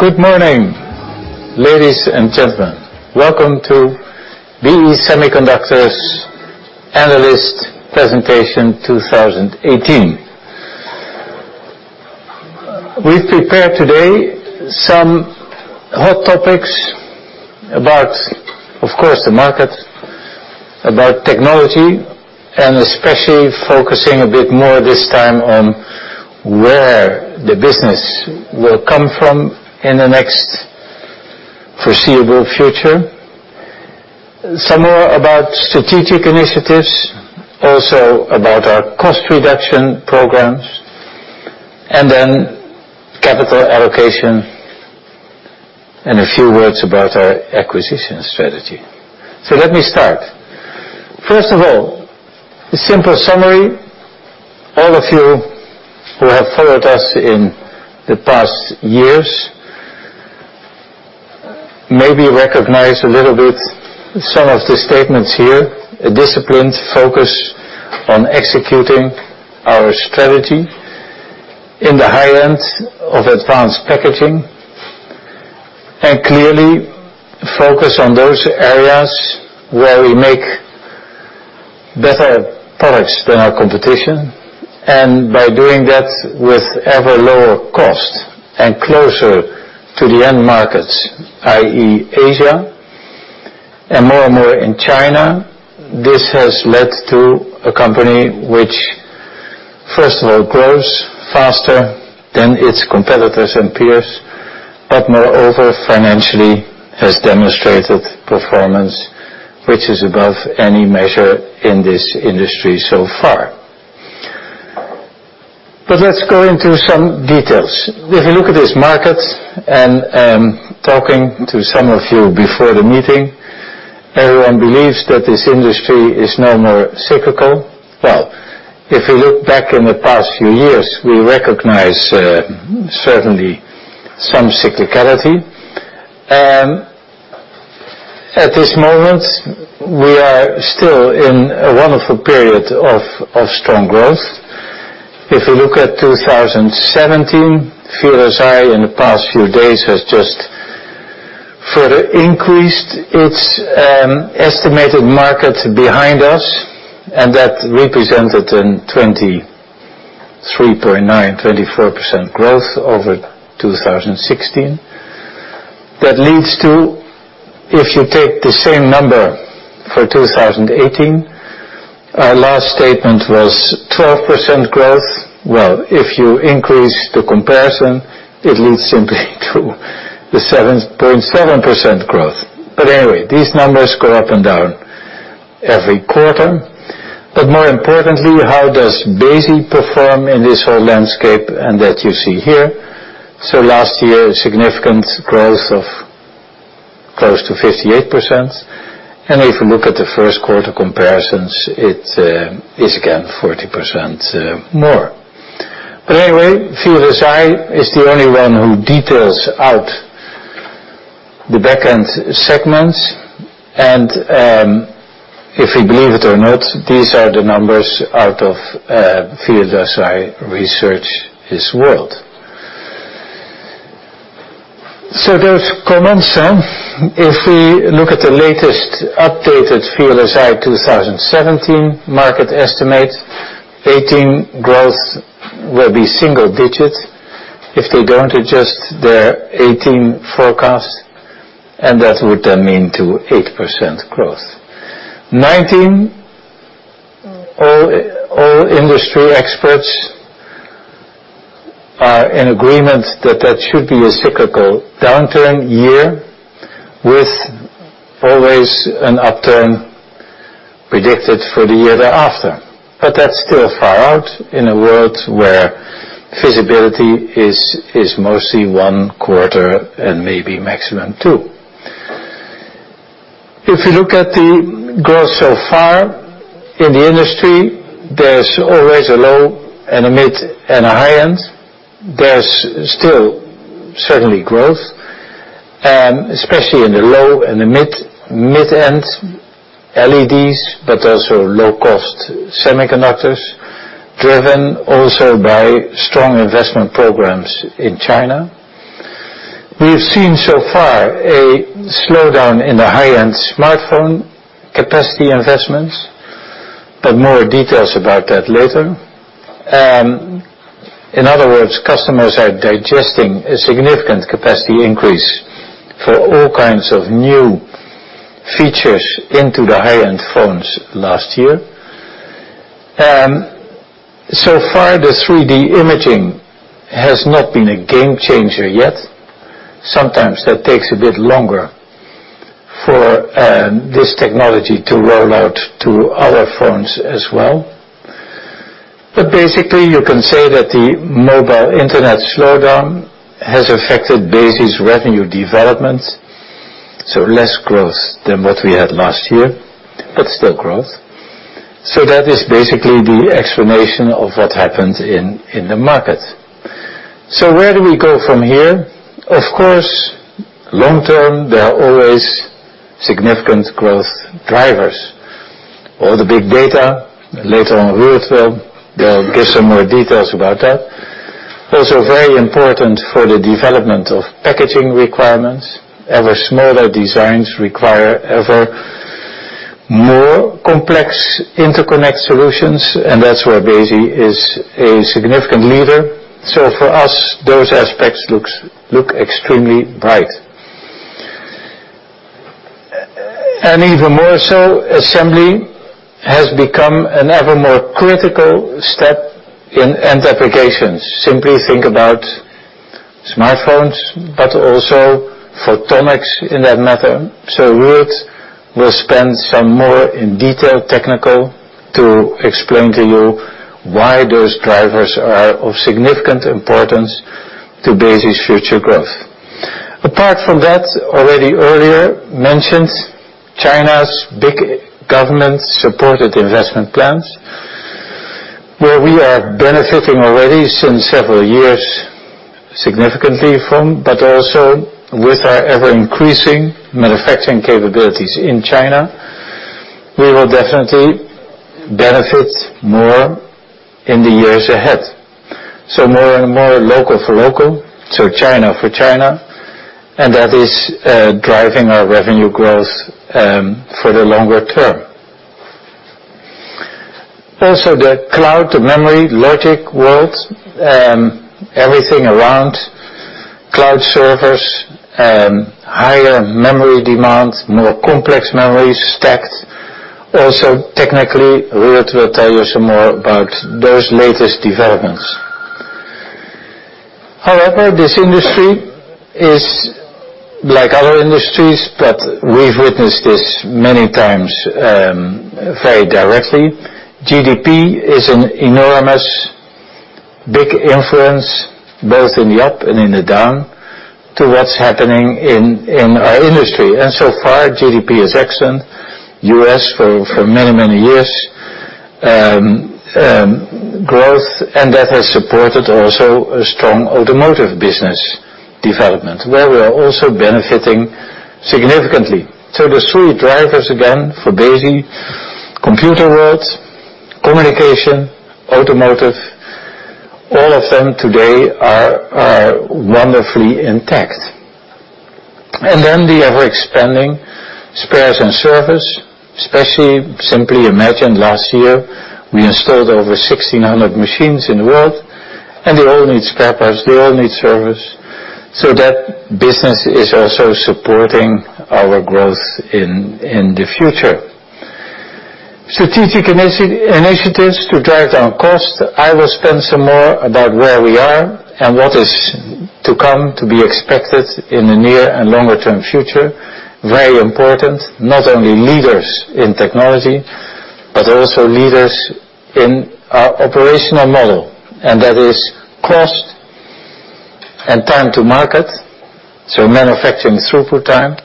Good morning, ladies and gentlemen. Welcome to BE Semiconductor Industries Analyst Presentation 2018. We've prepared today some hot topics about, of course, the market, about technology, and especially focusing a bit more this time on where the business will come from in the next foreseeable future. Some more about strategic initiatives, also about our cost reduction programs, capital allocation, and a few words about our acquisition strategy. Let me start. First of all, a simple summary. All of you who have followed us in the past years, maybe recognize a little bit some of the statements here. A disciplined focus on executing our strategy in the high end of advanced packaging, and clearly focus on those areas where we make better products than our competition, and by doing that with ever lower cost and closer to the end markets, i.e., Asia, and more and more in China. This has led to a company which, first of all, grows faster than its competitors and peers, but moreover, financially has demonstrated performance which is above any measure in this industry so far. Let's go into some details. If you look at this market, and talking to some of you before the meeting, everyone believes that this industry is no more cyclical. Well, if you look back in the past few years, we recognize certainly some cyclicality. At this moment, we are still in a wonderful period of strong growth. If you look at 2017, VLSI Research in the past few days has just further increased its estimated market behind us, and that represented in 23.9%-24% growth over 2016. That leads to, if you take the same number for 2018, our last statement was 12% growth. Well, if you increase the comparison, it leads simply to the 7.7% growth. Anyway, these numbers go up and down every quarter. More importantly, how does Besi perform in this whole landscape? That you see here. Last year, a significant growth of close to 58%. If you look at the first quarter comparisons, it is again 40% more. Anyway, VLSI Research is the only one who details out the back end segments. If we believe it or not, these are the numbers out of VLSI Research this world. Those comments then, if we look at the latest updated VLSI Research 2017 market estimate, 2018 growth will be single digits if they don't adjust their 2018 forecast, and that would then mean to 8% growth. 2019, all industry experts are in agreement that that should be a cyclical downturn year with always an upturn predicted for the year thereafter. That's still far out in a world where feasibility is mostly one quarter and maybe maximum two. If you look at the growth so far in the industry, there's always a low and a mid and a high end. There's still certainly growth, especially in the low and the mid end LEDs, but also low cost semiconductors, driven also by strong investment programs in China. We've seen so far a slowdown in the high-end smartphone capacity investments, but more details about that later. In other words, customers are digesting a significant capacity increase for all kinds of new features into the high-end phones last year. So far, the 3D imaging has not been a game changer yet. Sometimes that takes a bit longer for this technology to roll out to other phones as well. Basically, you can say that the mobile internet slowdown has affected Besi's revenue development. Less growth than what we had last year, still growth. That is basically the explanation of what happened in the market. Where do we go from here? Of course, long term, there are always significant growth drivers. All the big data, later on, Ruurd will give some more details about that. Also very important for the development of packaging requirements. Ever smaller designs require ever more complex interconnect solutions, and that's where Besi is a significant leader. Even more so, assembly has become an ever more critical step in end applications. Simply think about smartphones, but also photonics in that matter. Ruurd will spend some more in detail technical to explain to you why those drivers are of significant importance to Besi's future growth. Apart from that, already earlier mentioned, China's big government-supported investment plans, where we are benefiting already since several years significantly from. Also with our ever-increasing manufacturing capabilities in China, we will definitely benefit more in the years ahead. More and more local for local, China for China, that is driving our revenue growth for the longer term. The cloud to memory logic world, everything around cloud servers, higher memory demand, more complex memories stacked. Also, technically, Ruurd will tell you some more about those latest developments. However, this industry is like other industries, we've witnessed this many times very directly. GDP is an enormous, big influence, both in the up and in the down, to what's happening in our industry. So far, GDP is excellent. U.S., for many, many years, growth, that has supported also a strong automotive business development, where we are also benefiting significantly. The three drivers, again, for Besi, computer world, communication, automotive, all of them today are wonderfully intact. The ever-expanding spares and service, especially simply imagine last year, we installed over 1,600 machines in the world, and they all need spare parts, they all need service. That business is also supporting our growth in the future. Strategic initiatives to drive down cost. I will spend some more about where we are and what is to come, to be expected in the near and longer-term future. Very important. Not only leaders in technology, but also leaders in our operational model, and that is cost and time to market, so manufacturing throughput time.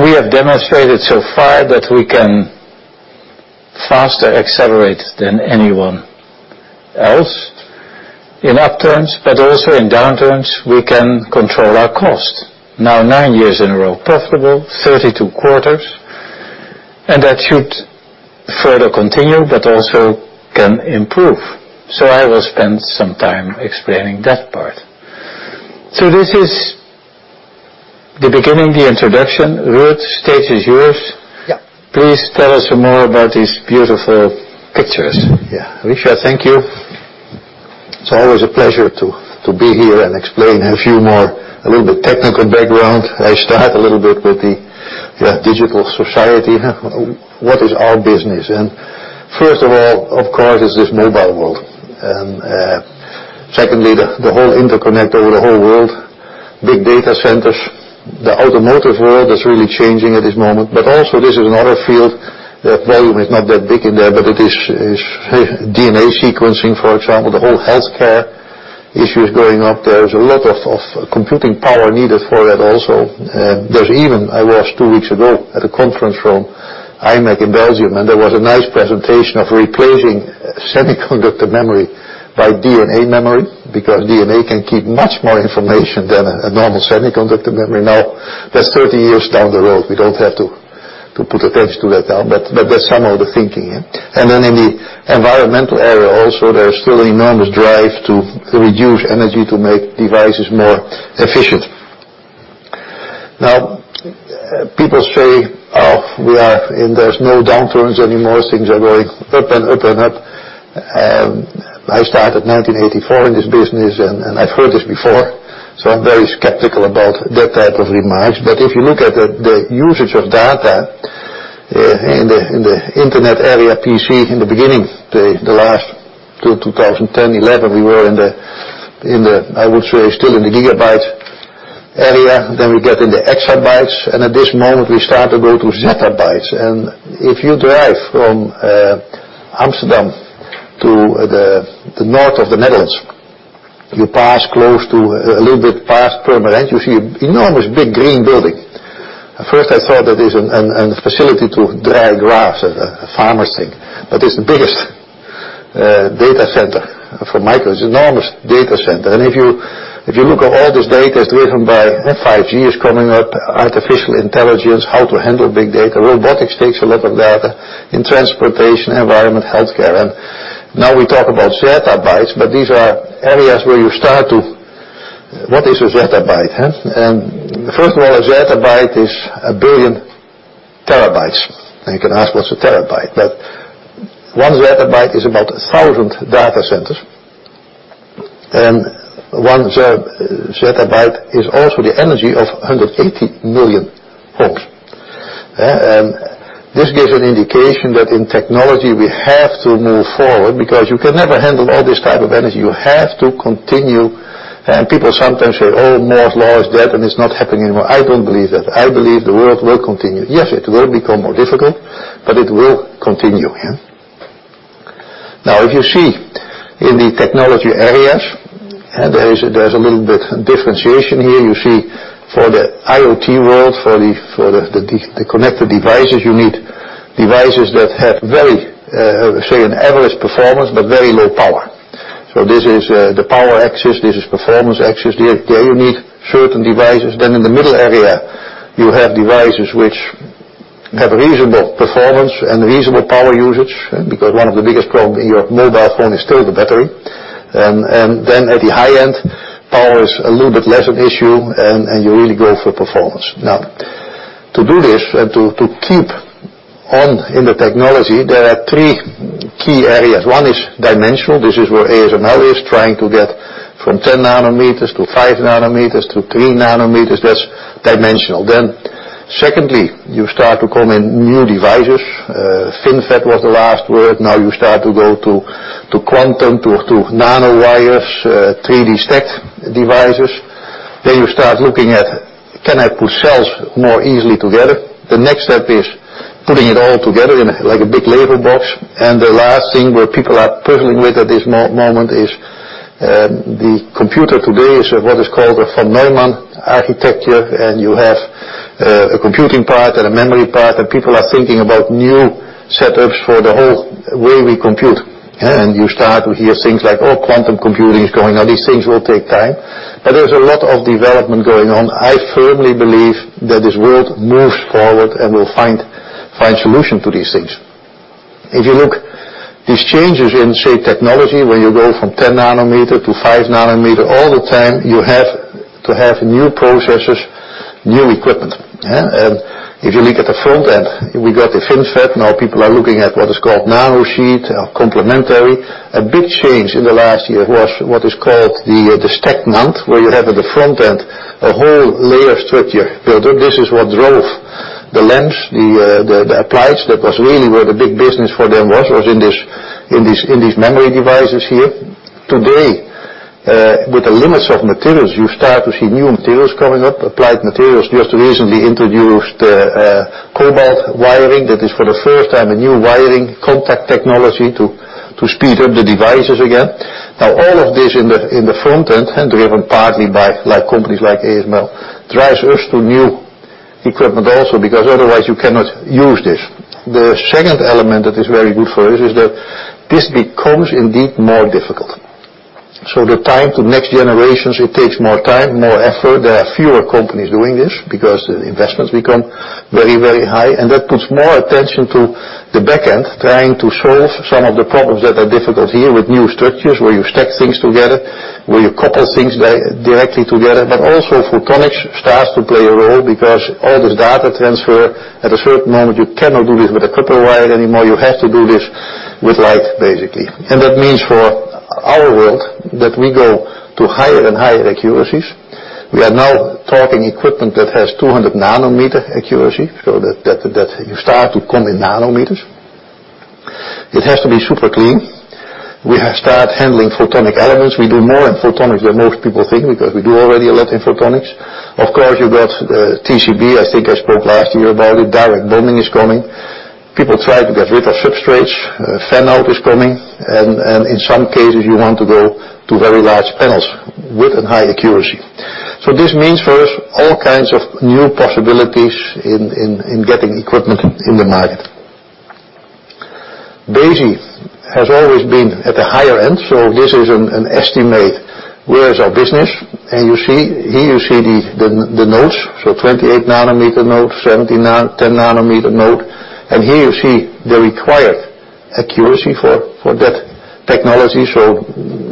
We have demonstrated so far that we can faster accelerate than anyone else in upturns. Also in downturns, we can control our cost. Now nine years in a row profitable, 32 quarters. That should further continue, also can improve. I will spend some time explaining that part. This is the beginning, the introduction. Ruurd, stage is yours. Yeah. Please tell us some more about these beautiful pictures. Richard, thank you. It's always a pleasure to be here and explain a few more, a little bit technical background. I start a little bit with the digital society. What is our business? First of all, of course, is this mobile world. Secondly, the whole interconnect over the whole world, big data centers. The automotive world is really changing at this moment. Also, this is another field. The volume is not that big in there, but it is DNA sequencing, for example. The whole healthcare issue is going up. There is a lot of computing power needed for that also. There's even, I was two weeks ago at a conference from imec in Belgium, there was a nice presentation of replacing semiconductor memory by DNA memory, because DNA can keep much more information than a normal semiconductor memory. Now, that's 30 years down the road. We don't have to put attention to that now, but that's some of the thinking. Then in the environmental area also, there's still enormous drive to reduce energy to make devices more efficient. Now, people say, "Oh, we are in there's no downturns anymore. Things are going up and up and up." I started 1984 in this business, I've heard this before, so I'm very skeptical about that type of remarks. If you look at the usage of data in the internet area, PC, in the beginning, the last till 2010, 2011, we were in the, I would say, still in the gigabyte area, then we get into exabytes, at this moment we start to go to zettabytes. If you drive from Amsterdam to the north of the Netherlands, you pass close to a little bit past Purmerend, you see enormous big green building. At first I thought that is a facility to dry grass, a farmer's thing. It's the biggest data center for Microsoft. Enormous data center. If you look at all this data is driven by 5G is coming up, artificial intelligence, how to handle big data. Robotics takes a lot of data in transportation, environment, healthcare. Now we talk about zettabytes, but these are areas where What is a zettabyte? First of all, a zettabyte is a billion terabytes. You can ask what's a terabyte? One zettabyte is about 1,000 data centers. One zettabyte is also the energy of 180 million homes. This gives an indication that in technology we have to move forward because you can never handle all this type of energy. You have to continue. People sometimes say, "Moore's law is dead, it's not happening anymore." I don't believe that. I believe the world will continue. It will become more difficult, it will continue. If you see in the technology areas, there's a little bit differentiation here, you see for the IoT world, for the connected devices, you need devices that have very, say, an average performance, but very low power. This is the power axis, this is performance axis. There you need certain devices. In the middle area, you have devices which have reasonable performance and reasonable power usage because one of the biggest problem in your mobile phone is still the battery. At the high end, power is a little bit less an issue and you really go for performance. To do this to keep on in the technology, there are 3 key areas. 1 is dimensional. This is where ASML is trying to get from 10 nanometers to 5 nanometers to 3 nanometers. That's dimensional. Secondly, you start to come in new devices. FinFET was the last word. You start to go to quantum, to nanowires, 3D stacked devices. You start looking at can I put cells more easily together? The next step is putting it all together in like a big Lego box. The last thing where people are puzzling with at this moment is, the computer today is what is called a von Neumann architecture, you have a computing part and a memory part, people are thinking about new setups for the whole way we compute. You start to hear things like quantum computing is going on. These things will take time, there's a lot of development going on. I firmly believe that this world moves forward will find solution to these things. If you look these changes in, say, technology, where you go from 10 nanometer to 5 nanometer all the time, you have to have new processors, new equipment. If you look at the front end, we got the FinFET, people are looking at what is called nanosheet or complementary. A big change in the last year was what is called the stack mount, where you have at the front end a whole layer structure builder. This is what drove the lens, the appliance. That was really where the big business for them was in these memory devices here. Today, with the limits of materials, you start to see new materials coming up. Applied Materials just recently introduced cobalt wiring that is for the first time a new wiring contact technology to speed up the devices again. All of this in the front end driven partly by companies like ASML, drives us to new equipment also because otherwise you cannot use this. The second element that is very good for us is that this becomes indeed more difficult. The time to next generations, it takes more time, more effort. There are fewer companies doing this because the investments become very high that puts more attention to the back end trying to solve some of the problems that are difficult here with new structures where you stack things together, where you couple things directly together. Also photonics starts to play a role because all this data transfer at a certain moment, you cannot do this with a copper wire anymore. You have to do this with light basically. That means for our world that we go to higher and higher accuracies. We are now talking equipment that has 200 nanometer accuracy so that you start to come in nanometers. It has to be super clean. We have start handling photonic elements. We do more in photonics than most people think because we do already a lot in photonics. Of course, you got TCB, I think I spoke last year about it. Direct bonding is coming. People try to get rid of substrates. Fan-out is coming and in some cases you want to go to very large panels with a high accuracy. This means for us all kinds of new possibilities in getting equipment in the market. BE Semiconductor has always been at the higher end, this is an estimate. Where is our business? Here you see the nodes. 28 nanometer nodes, 70, 10 nanometer node. Here you see the required accuracy for that technology.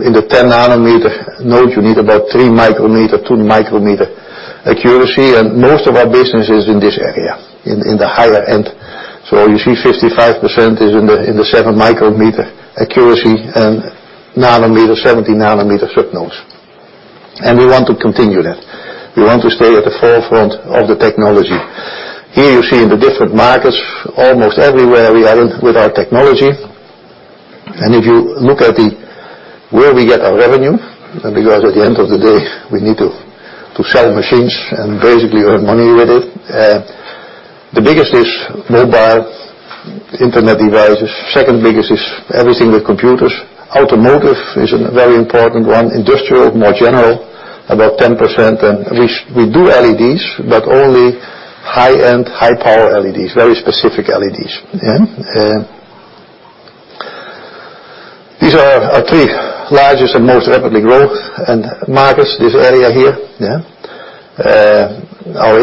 In the 10 nanometer node you need about three micrometer, two micrometer accuracy and most of our business is in this area, in the higher end. You see 55% is in the seven micrometer accuracy and nanometer, 70 nanometer sub nodes. We want to continue that. We want to stay at the forefront of the technology. Here you see in the different markets almost everywhere we are in with our technology. If you look at where we get our revenue, because at the end of the day, we need to sell machines and basically earn money with it. The biggest is mobile internet devices. Second biggest is everything with computers. Automotive is a very important one. Industrial, more general, about 10%. We do LEDs, but only high-end, high-power LEDs, very specific LEDs. These are our three largest and most rapidly growth markets, this area here. Our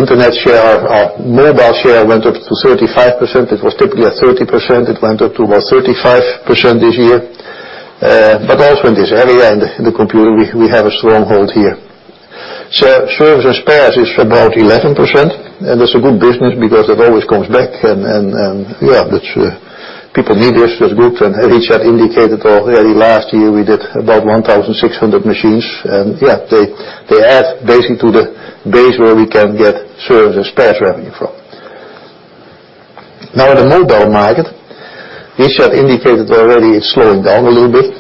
mobile share went up to 35%. It was typically at 30%, it went up to about 35% this year. Also in this area, in the computer, we have a stronghold here. Service and spares is about 11%, that's a good business because it always comes back, people need this. That's good. Richard indicated already last year we did about 1,600 machines, they add basically to the base where we can get service and spares revenue from. Now in the mobile market, Richard indicated already it's slowing down a little bit.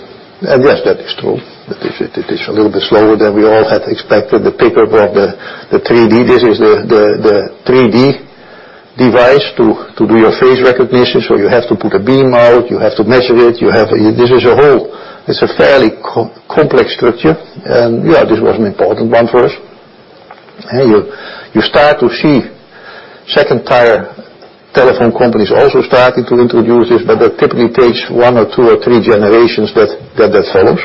Yes, that is true, that it is a little bit slower than we all had expected. The paper about the 3D. This is the 3D device to do your face recognition. You have to put a beam out, you have to measure it. It's a fairly complex structure, this was an important one for us. You start to see 2nd-tier telephone companies also starting to introduce this, but that typically takes one or two or three generations that follows.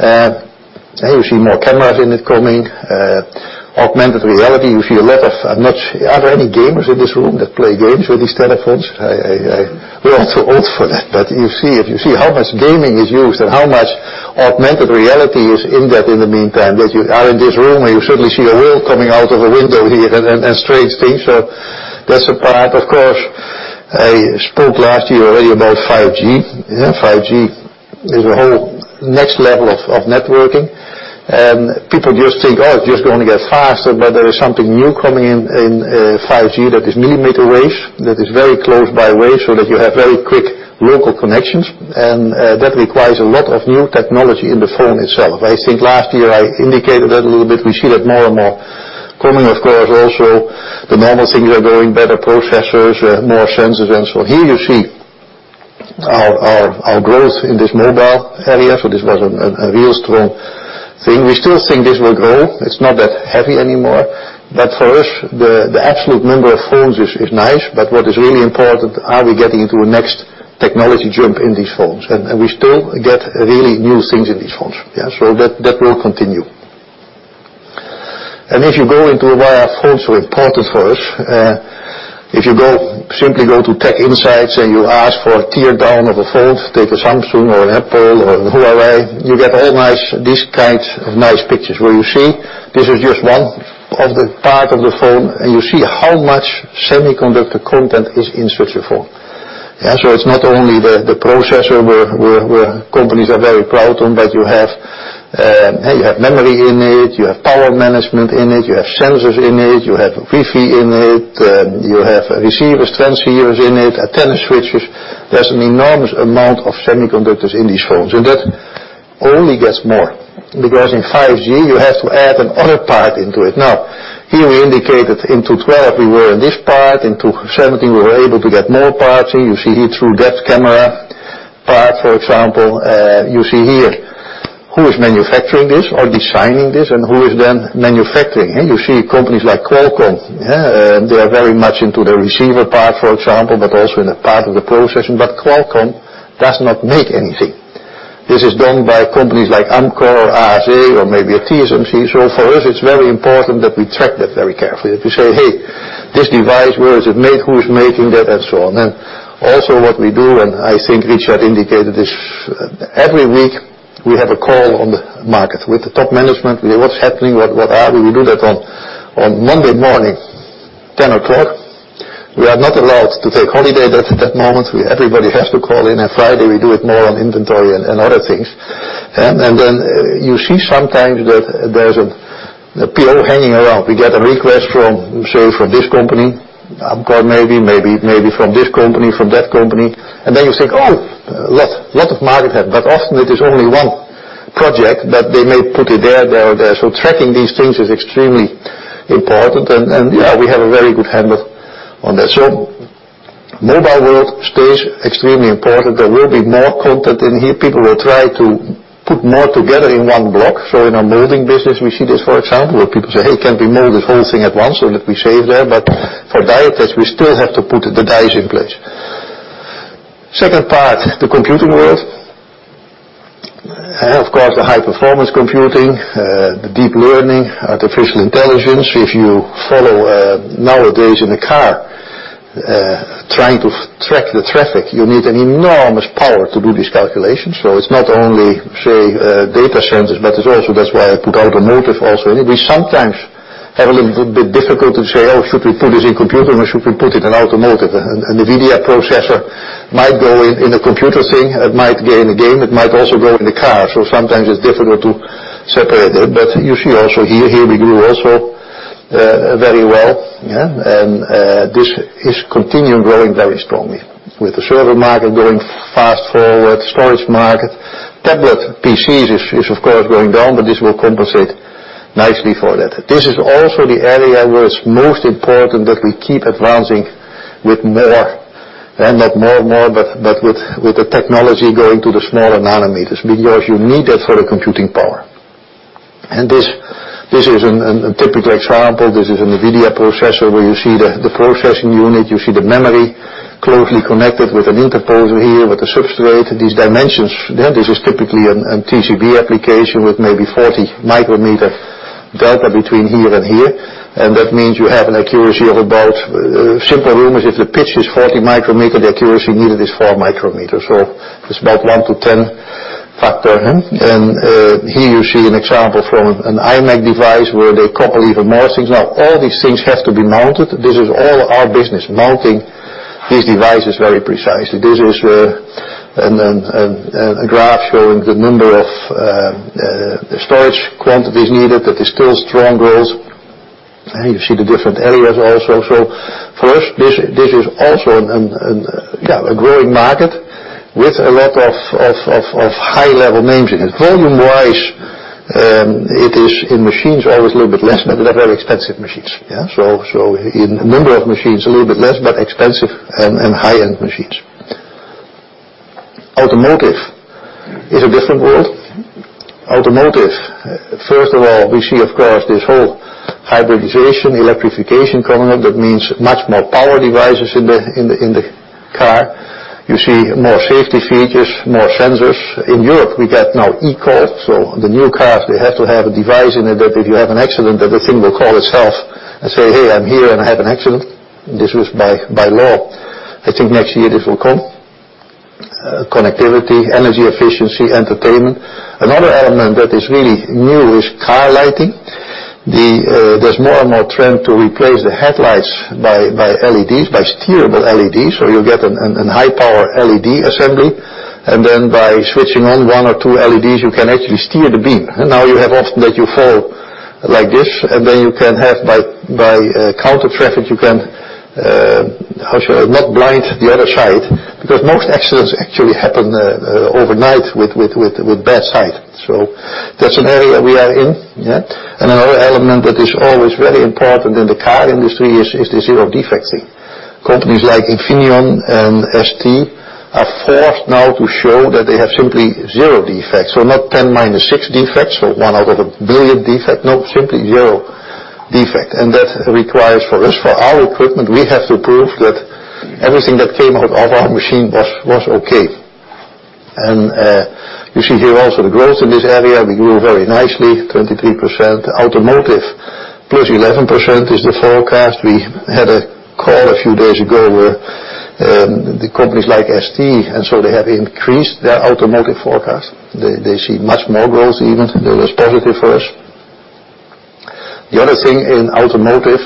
You see more cameras in it coming. Augmented reality. You see a lot of. Are there any gamers in this room that play games with these telephones? We're all too old for that, but if you see how much gaming is used and how much augmented reality is in that in the meantime, that you are in this room and you suddenly see a world coming out of a window here and strange things. That's a part, of course. I spoke last year already about 5G. 5G is a whole next level of networking, and people just think, "Oh, it's just going to get faster," but there is something new coming in 5G that is millimeter waves, that is very close by waves so that you have very quick local connections, and that requires a lot of new technology in the phone itself. I think last year I indicated that a little bit. We see that more and more coming, of course. Also the normal things are going better, processors, more sensors and so on. Here you see our growth in this mobile area. This was a real strong thing. We still think this will grow. It's not that heavy anymore. For us, the absolute number of phones is nice, but what is really important, are we getting into a next technology jump in these phones? We still get really new things in these phones. That will continue. If you go into why our phones are important for us, if you simply go to TechInsights and you ask for a tear down of a phone, take a Samsung or an Apple or Huawei, you get all these kinds of nice pictures where you see this is just one of the part of the phone, and you see how much semiconductor content is in such a phone. It's not only the processor where companies are very proud on, but you have memory in it, you have power management in it, you have sensors in it, you have wifi in it, you have receivers, transmitters in it, antenna switches. There's an enormous amount of semiconductors in these phones, and that only gets more. In 5G, you have to add another part into it. Here we indicated in 2012 we were in this part. In 2017, we were able to get more parts in. You see here through that camera part, for example, you see here who is manufacturing this or designing this and who is then manufacturing. You see companies like Qualcomm. They are very much into the receiver part, for example, but also in a part of the processing. Qualcomm does not make anything. This is done by companies like Amkor or ASE or maybe a TSMC. For us, it's very important that we track that very carefully, that we say, "Hey, this device, where is it made? Who is making that?" and so on. Also what we do, and I think Richard indicated this, every week we have a call on the market with the top management. What's happening? Where are we? We do that on Monday morning, 10:00 A.M. We are not allowed to take holiday at that moment. Everybody has to call in. Friday we do it more on inventory and other things. Then you see sometimes that there's a PO hanging around. We get a request from, say, from this company. Amkor maybe from this company, from that company. Then you think, "Oh, lot of market," but often it is only one project that they may put it there or there. Tracking these things is extremely important, and we have a very good handle on that. Mobile world stays extremely important. There will be more content in here. People will try to put more together in one block. In our molding business, we see this, for example, where people say, "Hey, can we mold this whole thing at once so that we save there?" For die-test, we still have to put the dies in place. Second part, the computing world. Of course, the high-performance computing, the deep learning, artificial intelligence. If you follow nowadays in the car trying to track the traffic, you need an enormous power to do these calculations. It's not only, say, data centers, it's also that's why I put automotive also in it. We sometimes have a little bit difficult to say, "Oh, should we put this in computer or should we put it in automotive?" The video processor might go in a computer thing, it might go in a game, it might also go in the car. Sometimes it's difficult to separate it. You see also here we do also very well. This is continuing growing very strongly with the server market growing fast forward, storage market. Tablet PCs is of course going down, but this will compensate nicely for that. This is also the area where it's most important that we keep advancing with more Not more, with the technology going to the smaller nanometers, because you need that for the computing power. This is a typical example. This is an Nvidia processor where you see the processing unit, you see the memory closely connected with an interposer here, with a substrate. These dimensions, this is typically a TCB application with maybe 40 micrometer delta between here and here. That means you have an accuracy of about Simple rule is if the pitch is 40 micrometer, the accuracy needed is 4 micrometer. It's about one to 10 factor. Here you see an example from an imec device where they couple even more things. All these things have to be mounted. This is all our business, mounting these devices very precisely. This is a graph showing the number of storage quantities needed, that is still strong growth. You see the different areas also. For us, this is also a growing market with a lot of high level names in it. Volume-wise, it is in machines always a little bit less, but they're very expensive machines. In number of machines, a little bit less, but expensive and high-end machines. Automotive is a different world. Automotive, first of all, we see of course, this whole hybridization, electrification coming up. That means much more power devices in the car. You see more safety features, more sensors. In Europe, we get now eCall, the new cars, they have to have a device in it that if you have an accident, that the thing will call itself and say, "Hey, I'm here and I have an accident." This was by law. I think next year this will come. Connectivity, energy efficiency, entertainment. Another element that is really new is car lighting. There's more and more trend to replace the headlights by LEDs, by steerable LEDs. You'll get a high-power LED assembly, and then by switching on one or two LEDs, you can actually steer the beam. Now you have often that you fall like this, and then you can have by counter traffic, you can, how should I, not blind the other side because most accidents actually happen overnight with bad sight. That's an area we are in. Another element that is always very important in the car industry is the zero defect thing. Companies like Infineon and ST are forced now to show that they have simply zero defects, not 10 minus 6 defects or one out of a billion defect. No, simply zero defect. That requires for us, for our equipment, we have to prove that everything that came out of our machine was okay. You see here also the growth in this area. We grew very nicely, 23%. Automotive plus 11% is the forecast. We had a call a few days ago where the companies like ST, they have increased their automotive forecast. They see much more growth even. That was positive for us. The other thing in automotive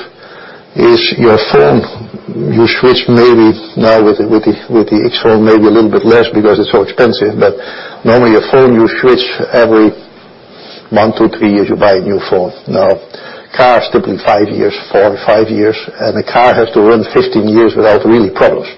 is your phone. You switch maybe now with the iPhone X, maybe a little bit less because it's so expensive, but normally your phone, you switch every one, two, three years, you buy a new phone. Cars typically four or five years, and the car has to run 15 years without really problems.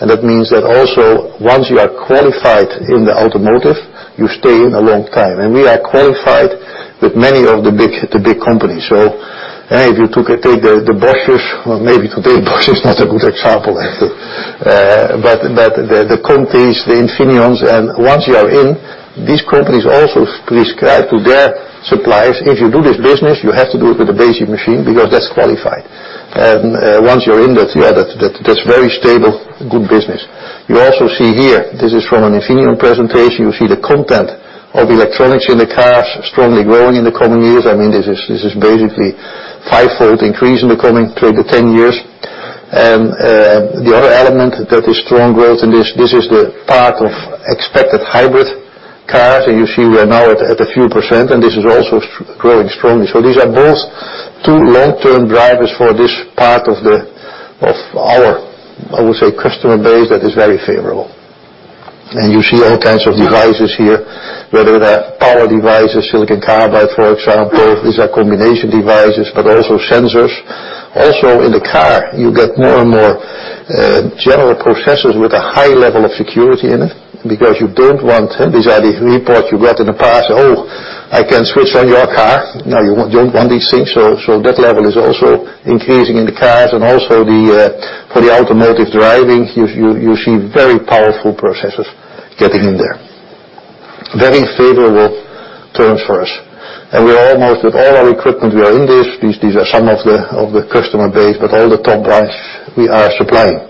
That means that also once you are qualified in the automotive, you stay in a long time. We are qualified with many of the big companies. If you take the Bosches, or maybe today Bosch is not a good example. But the Contis, the Infineons, and once you are in, these companies also prescribe to their suppliers, "If you do this business, you have to do it with a Besi machine because that's qualified." Once you're in, that's very stable, good business. You also see here, this is from an Infineon presentation. You see the content of electronics in the cars strongly growing in the coming years. This is basically fivefold increase in the coming 10 years. The other element that is strong growth, this is the part of expected hybrid cars, and you see we are now at a few percent, and this is also growing strongly. These are both two long-term drivers for this part of our, I would say, customer base that is very favorable. You see all kinds of devices here, whether they're power devices, silicon carbide, for example. These are combination devices, but also sensors. Also in the car, you get more and more general processors with a high level of security in it, because you don't want. These are the reports you read in the past, "Oh, I can switch on your car." Now you don't want these things. That level is also increasing in the cars and also for the automotive driving, you see very powerful processors getting in there. Very favorable terms for us. We are almost with all our equipment, we are in this. These are some of the customer base, but all the top ones we are supplying.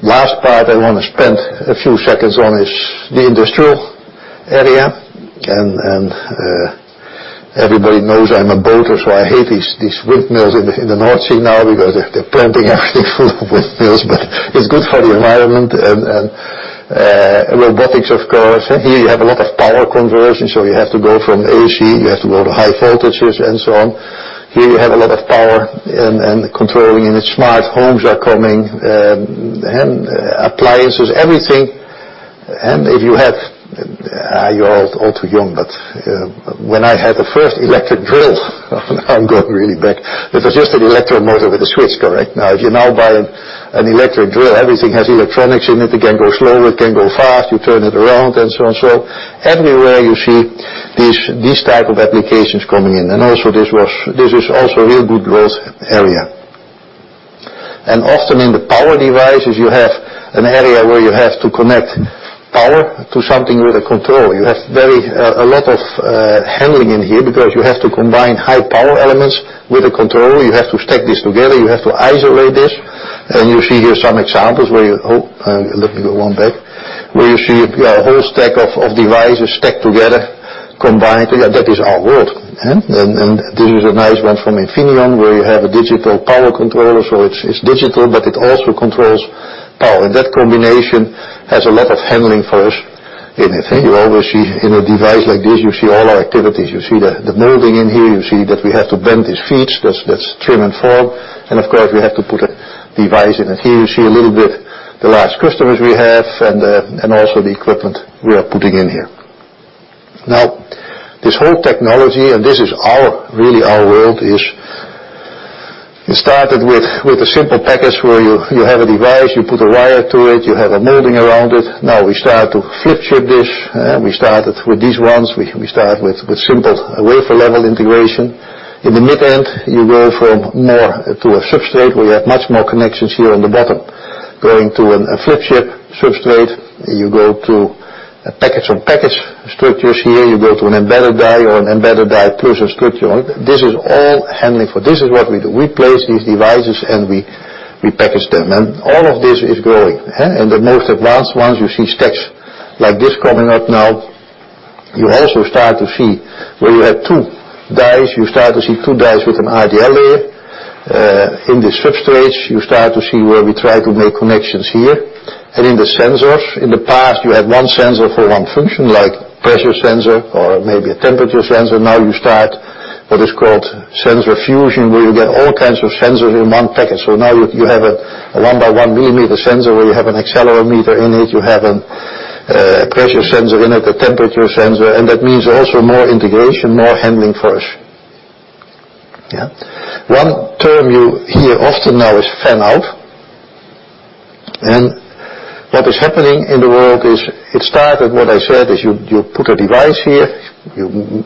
Last part I want to spend a few seconds on is the industrial area. Everybody knows I'm a boater, so I hate these windmills in the North Sea now because they're pumping everything full of windmills, but it's good for the environment and robotics of course. Here you have a lot of power conversion, so you have to go from AC, you have to go to high voltages and so on. Here you have a lot of power and controlling units. Smart homes are coming, and appliances, everything. If you have-- you're all too young, but when I had the first electric drill, now I'm going really back, it was just an electric motor with a switch, correct? Now, if you now buy an electric drill, everything has electronics in it. It can go slow, it can go fast. You turn it around and so on. Everywhere you see these type of applications coming in, this is also a real good growth area. Often in the power devices, you have an area where you have to connect power to something with a control. You have a lot of handling in here because you have to combine high power elements with a control. You have to stack these together. You have to isolate this. You see here some examples where you-- Oh, let me go one back. Where you see a whole stack of devices stacked together, combined together. That is our world. This is a nice one from Infineon where you have a digital power controller, so it's digital but it also controls power. That combination has a lot of handling for us in it. You always see in a device like this, you see all our activities. You see the molding in here. You see that we have to bend these feeds. That's trim and form. Of course, we have to put a device in it. Here you see a little bit the last customers we have and also the equipment we are putting in here. This whole technology, and this is really our world, It started with a simple package where you have a device, you put a wire to it, you have a molding around it. Now we start to flip chip this. We started with these ones. We start with simple wafer level integration. In the mid end, you go from more to a substrate where you have much more connections here on the bottom. Going to a flip chip substrate, you go to a package or package structures here. You go to an embedded die or an embedded die closure structure. This is what we do. We place these devices, and we package them. All of this is growing. The most advanced ones, you see stacks like this coming up now. You also start to see where you have two dies. You start to see two dies with an RDL layer. In the substrates, you start to see where we try to make connections here. In the sensors, in the past, you had one sensor for one function, like pressure sensor or maybe a temperature sensor. You start what is called sensor fusion, where you get all kinds of sensors in one package. Now you have a one by one millimeter sensor where you have an accelerometer in it, you have a pressure sensor in it, a temperature sensor, and that means also more integration, more handling for us. One term you hear often now is fan-out. What is happening in the world is it started, what I said, is you put a device here.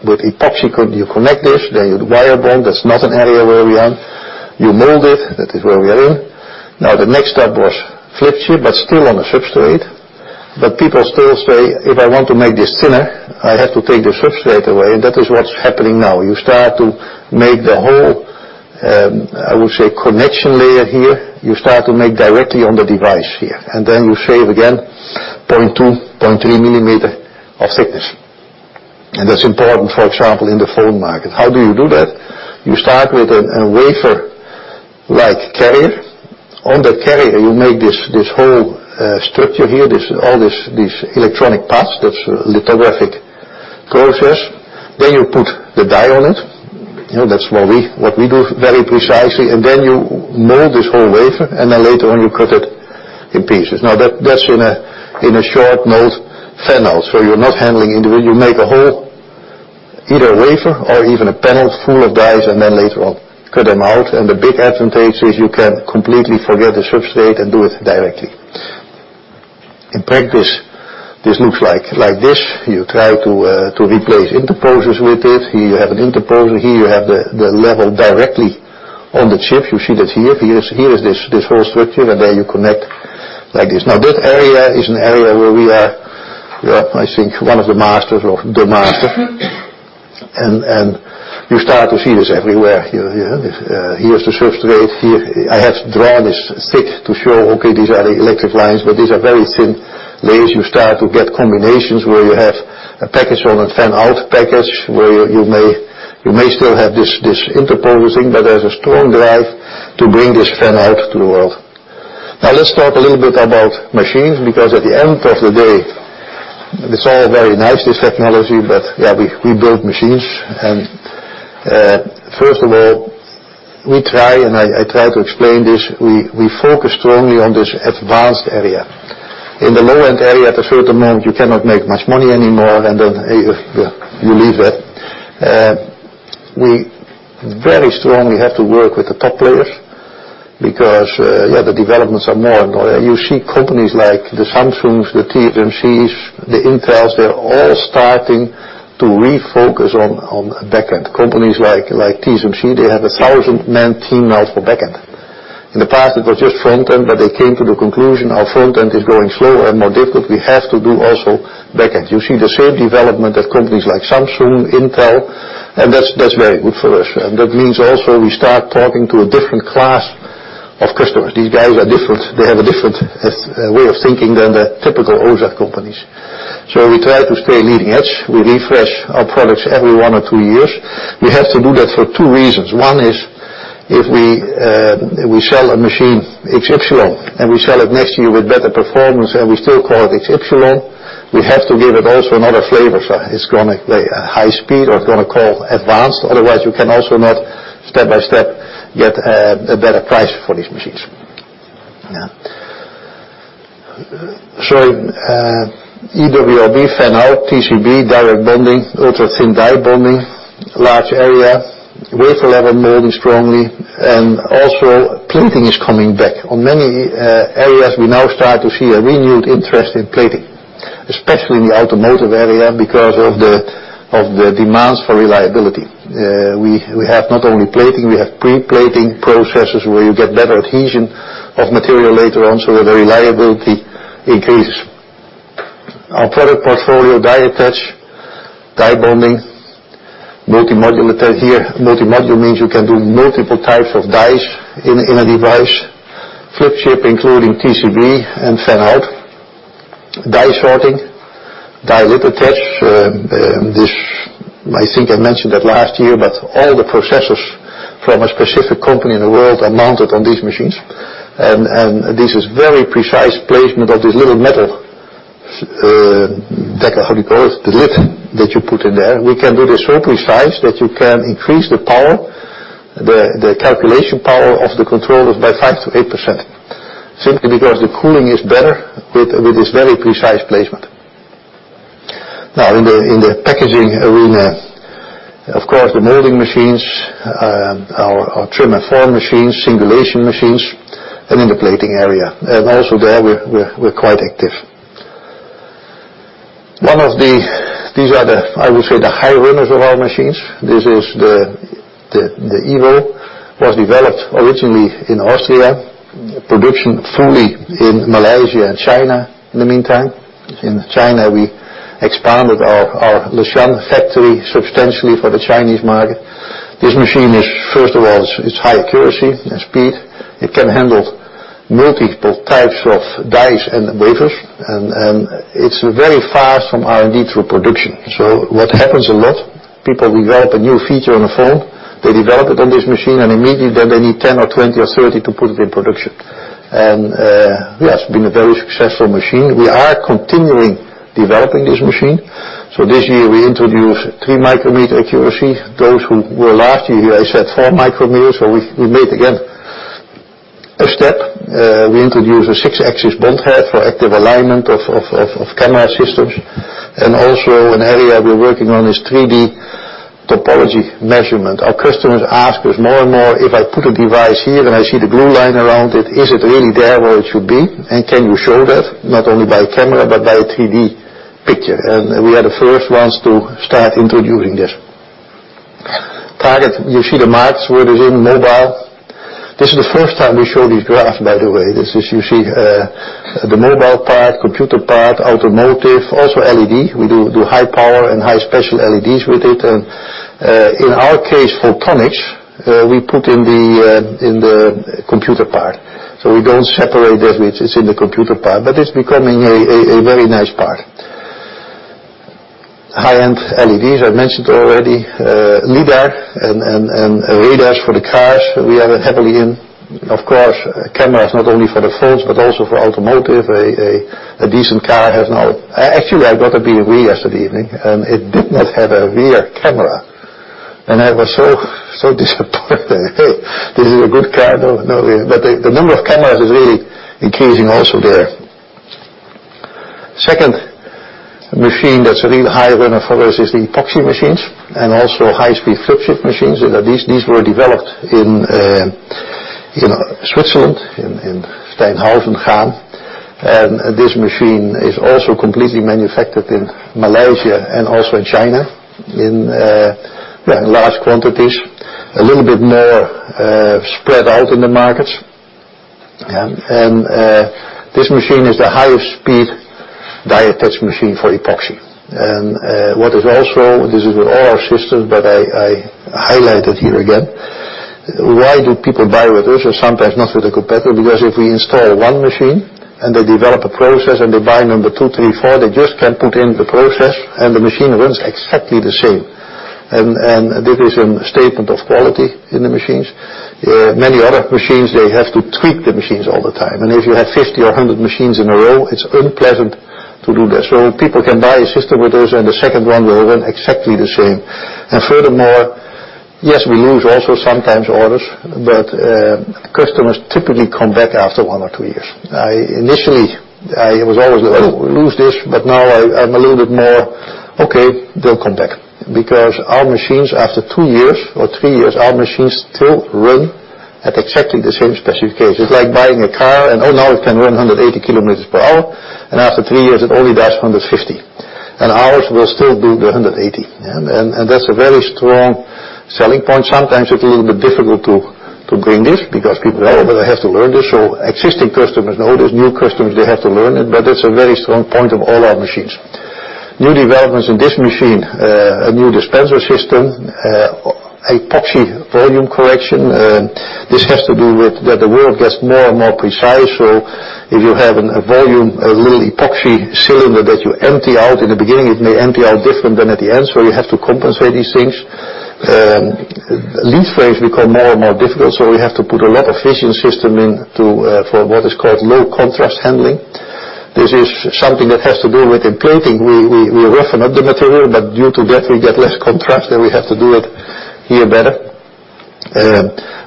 With epoxy, you connect this. You wire bond. That's not an area where we are in. You mold it. That is where we are in. The next step was flip chip, but still on a substrate. People still say, "If I want to make this thinner, I have to take the substrate away." That is what's happening now. You start to make the whole, I would say, connection layer here, you start to make directly on the device here, then you shave again 0.2, 0.3 millimeter of thickness. That's important, for example, in the phone market. How do you do that? You start with a wafer-like carrier. On the carrier, you make this whole structure here, all these electronic parts. That's a lithographic process. You put the die on it. That's what we do very precisely. Then you mold this whole wafer, then later on, you cut it in pieces. That's in a short mold fan-out. You're not handling individual. You make a whole either wafer or even a panel full of dies, then later on cut them out. The big advantage is you can completely forget the substrate and do it directly. In practice, this looks like this. You try to replace interposers with this. Here you have an interposer. Here you have the level directly on the chip. You see that here. Here is this whole structure, and there you connect like this. That area is an area where we are, I think, one of the masters or the master. You start to see this everywhere. Here is the substrate here. I have drawn this thick to show, okay, these are the electric lines, but these are very thin layers. You start to get combinations where you have a package on a fan-out package, where you may still have this interposing, but there's a strong drive to bring this fan-out to the world. Let's talk a little bit about machines, because at the end of the day, it's all very nice, this technology, but we build machines. First of all, we try, and I try to explain this, we focus strongly on this advanced area. In the low-end area, at a certain moment, you cannot make much money anymore, then you leave it. We very strongly have to work with the top players because the developments are more and more. You see companies like the Samsungs, the TSMCs, the Intels, they're all starting to refocus on back-end. Companies like TSMC, they have 1,000-man team now for back-end. In the past, it was just front-end, they came to the conclusion our front-end is growing slower and more difficult. We have to do also back-end. You see the same development of companies like Samsung, Intel, that's very good for us. That means also we start talking to a different class of customers. These guys are different. They have a different way of thinking than the typical OSAT companies. We try to stay leading edge. We refresh our products every one or two years. We have to do that for two reasons. One is if we sell a machine H-Ypsilon, and we sell it next year with better performance, and we still call it H-Ypsilon. We have to give it also another flavor. It's going to high speed or it's going to call advanced. Otherwise, you can also not step by step get a better price for these machines. eWLB, fan-out, TCB, direct bonding, ultra-thin die bonding, large area, wafer level molding strongly, and also plating is coming back. On many areas, we now start to see a renewed interest in plating, especially in the automotive area because of the demands for reliability. We have not only plating, we have pre-plating processes where you get better adhesion of material later on, so that the reliability increases. Our product portfolio, die attach, die bonding, multi-module attach here. Multi-module means you can do multiple types of dies in a device. Flip chip including TCB and fan-out. Die sorting, die lid attach. I think I mentioned that last year, all the processors from a specific company in the world are mounted on these machines. This is very precise placement of this little metal, how do you call it? The lid that you put in there. We can do this so precise that you can increase the power, the calculation power of the controllers by 5%-8%, simply because the cooling is better with this very precise placement. In the packaging arena, of course, the molding machines, our trim and form machines, singulation machines, and in the plating area. Also there we're quite active. These are the, I would say, the high runners of our machines. This is the Evo. Was developed originally in Austria, production fully in Malaysia and China in the meantime. In China, we expanded our Leshan factory substantially for the Chinese market. This machine is, first of all, it's high accuracy and speed. It can handle multiple types of dies and wafers, it's very fast from R&D through production. What happens a lot, people develop a new feature on a phone, they develop it on this machine, immediately then they need 10 or 20 or 30 to put it in production. Yes, it's been a very successful machine. We are continuing developing this machine. This year we introduce three micrometer accuracy. Those who were last year here, I said four micrometers. We made again a step. We introduced a six-axis bond head for active alignment of camera systems. Also, an area we're working on is 3D topology measurement. Our customers ask us more and more, "If I put a device here and I see the blue line around it, is it really there where it should be? Can you show that not only by camera but by a 3D picture?" We are the first ones to start introducing this. Target. You see the marks where it is in mobile. This is the first time we show these graphs, by the way. This is, you see, the mobile part, computer part, automotive, also LED. We do high power and high special LEDs with it. In our case, photonics, we put in the computer part. We don't separate that, which is in the computer part, but it's becoming a very nice part. High-end LEDs, I mentioned already. LiDAR and radars for the cars, we are heavily in. Of course, cameras, not only for the phones but also for automotive. A decent car has now Actually, I got a BMW yesterday evening, and it did not have a rear camera. I was so disappointed. This is a good car, no rear. The number of cameras is really increasing also there. Second machine that's a real high runner for us is the epoxy machines and also high-speed flip chip machines. These were developed in Switzerland, in Steinhausen, Glarus. This machine is also completely manufactured in Malaysia and also in China in large quantities, a little bit more spread out in the markets. This machine is the highest speed die attach machine for epoxy. This is with all our systems that I highlighted here again. Why do people buy with us and sometimes not with a competitor? Because if we install one machine and they develop a process and they buy number 2, 3, 4, they just can put in the process and the machine runs exactly the same. That is a statement of quality in the machines. Many other machines, they have to tweak the machines all the time. If you have 50 or 100 machines in a row, it's unpleasant to do that. People can buy a system with us, and the second one will run exactly the same. Furthermore, yes, we lose also sometimes orders. Customers typically come back after one or two years. Initially, it was always, "Oh, we lose this," but now I'm a little bit more, "Okay, they'll come back." Because our machines, after two years or three years, our machines still run at exactly the same specifications. It's like buying a car, and now it can run 180 kilometers per hour, and after three years, it only does 150. Ours will still do the 180. That's a very strong selling point. Sometimes it's a little bit difficult to bring this because people, "Oh, but I have to learn this." Existing customers know this. New customers, they have to learn it, but it's a very strong point of all our machines. New developments in this machine, a new dispenser system, epoxy volume correction. This has to do with that the world gets more and more precise. If you have a volume, a little epoxy cylinder that you empty out in the beginning, it may empty out different than at the end. You have to compensate these things. Leadframes become more and more difficult, we have to put a lot of vision system in for what is called low contrast handling. This is something that has to do with the plating. We roughen up the material. Due to that, we get less contrast and we have to do it here better.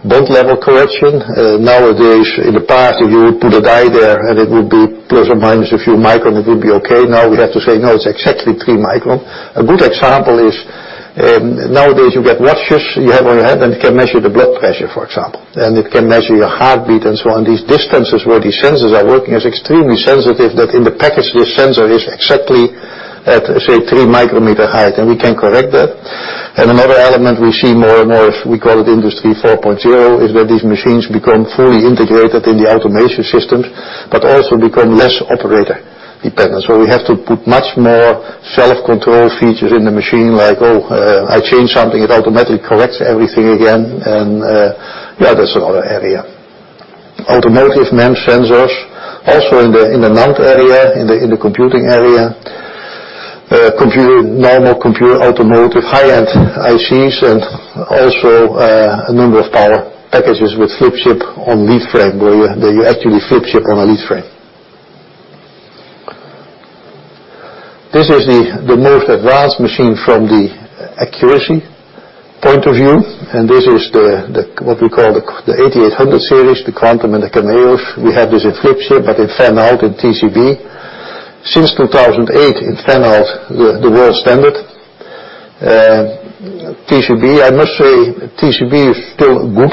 Bond level correction. Nowadays, in the past, if you would put a die there and it would be plus or minus a few micron, it would be okay. Now we have to say, "No, it's exactly three micron." A good example is, nowadays, you get watches you have on your hand that can measure the blood pressure, for example, and it can measure your heartbeat and so on. These distances where these sensors are working is extremely sensitive that in the package, this sensor is exactly at, say, three micrometer height, and we can correct that. Another element we see more and more is, we call it Industry 4.0, is where these machines become fully integrated in the automation systems, but also become less operator-dependent. We have to put much more self-control features in the machine like, oh, I change something, it automatically corrects everything again. That's another area. Automotive MEMS sensors. Also in the mount area, in the computing area. Normal computer, automotive, high-end ICs, and also a number of power packages with flip chip on lead frame, where you actually flip chip on a lead frame. This is the most advanced machine from the accuracy point of view, and this is what we call the 8800 series, the Quantum and the CHAMEO. We have this in flip chip, but in fan-out in TCB. Since 2008, in fan-out, the world standard. TCB, I must say, TCB is still good.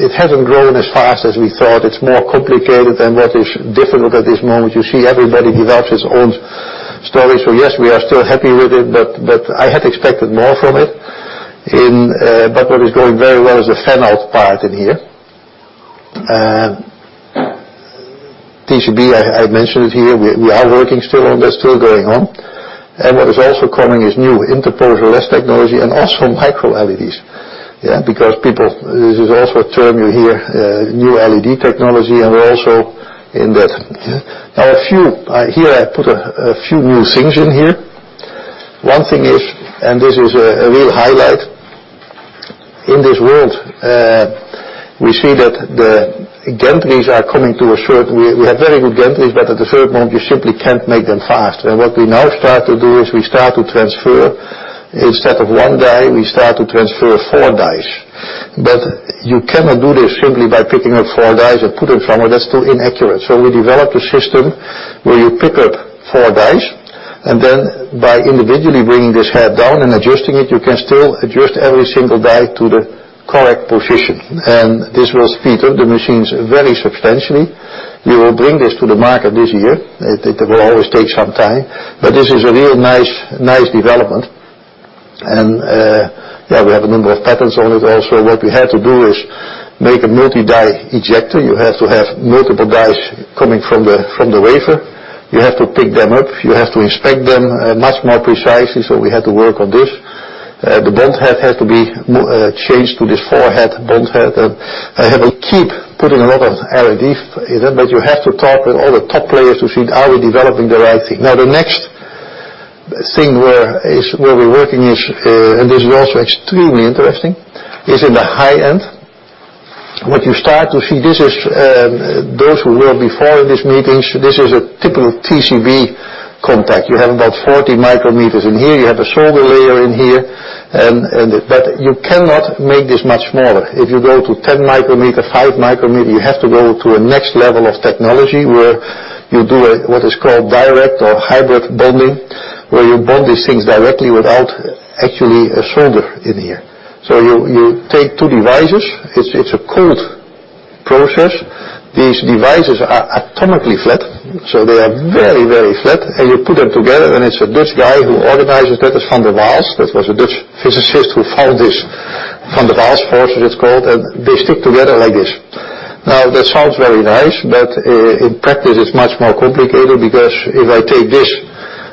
It hasn't grown as fast as we thought. It's more complicated than what is difficult at this moment. You see everybody develops his own story. Yes, we are still happy with it. I had expected more from it. What is going very well is the fan-out part in here. TCB, I mentioned it here. We are working still on that, still going on. What is also coming is new interposer less technology and also MicroLEDs. This is also a term you hear, new LED technology, and we're also in that. Here, I put a few new things in here. One thing is, this is a real highlight. In this world, we see that the gantries are coming to a certain. We have very good gantries, but at a certain point, you simply can't make them fast. What we now start to do is we start to transfer, instead of one die, we start to transfer four dies. You cannot do this simply by picking up four dies and put it from there. That's still inaccurate. We developed a system where you pick up four dies, and then by individually bringing this head down and adjusting it, you can still adjust every single die to the correct position. This will speed up the machines very substantially. We will bring this to the market this year. It will always take some time. This is a real nice development. We have a number of patents on it also. What we had to do is make a multi-die ejector. You have to have multiple dies coming from the wafer. You have to pick them up. You have to inspect them much more precisely. We had to work on this. The bond head had to be changed to this four head bond head. I have a keep putting a lot of R&D in, but you have to talk with all the top players to see, are we developing the right thing? The next thing where we're working is, this is also extremely interesting, is in the high end. What you start to see, this is. Those who were before in these meetings, this is a typical TCB contact. You have about 40 micrometers in here. You have a solder layer in here. You cannot make this much smaller. If you go to 10 micrometer, 5 micrometer, you have to go to a next level of technology where you do what is called direct or hybrid bonding, where you bond these things directly without actually a solder in here. You take two devices. It's a cold process. These devices are atomically flat. They are very, very flat. You put them together, it's a Dutch guy who organizes that. It's Van der Waals. That was a Dutch physicist who found this. Van der Waals force, it is called, they stick together like this. That sounds very nice, in practice, it's much more complicated because if I take this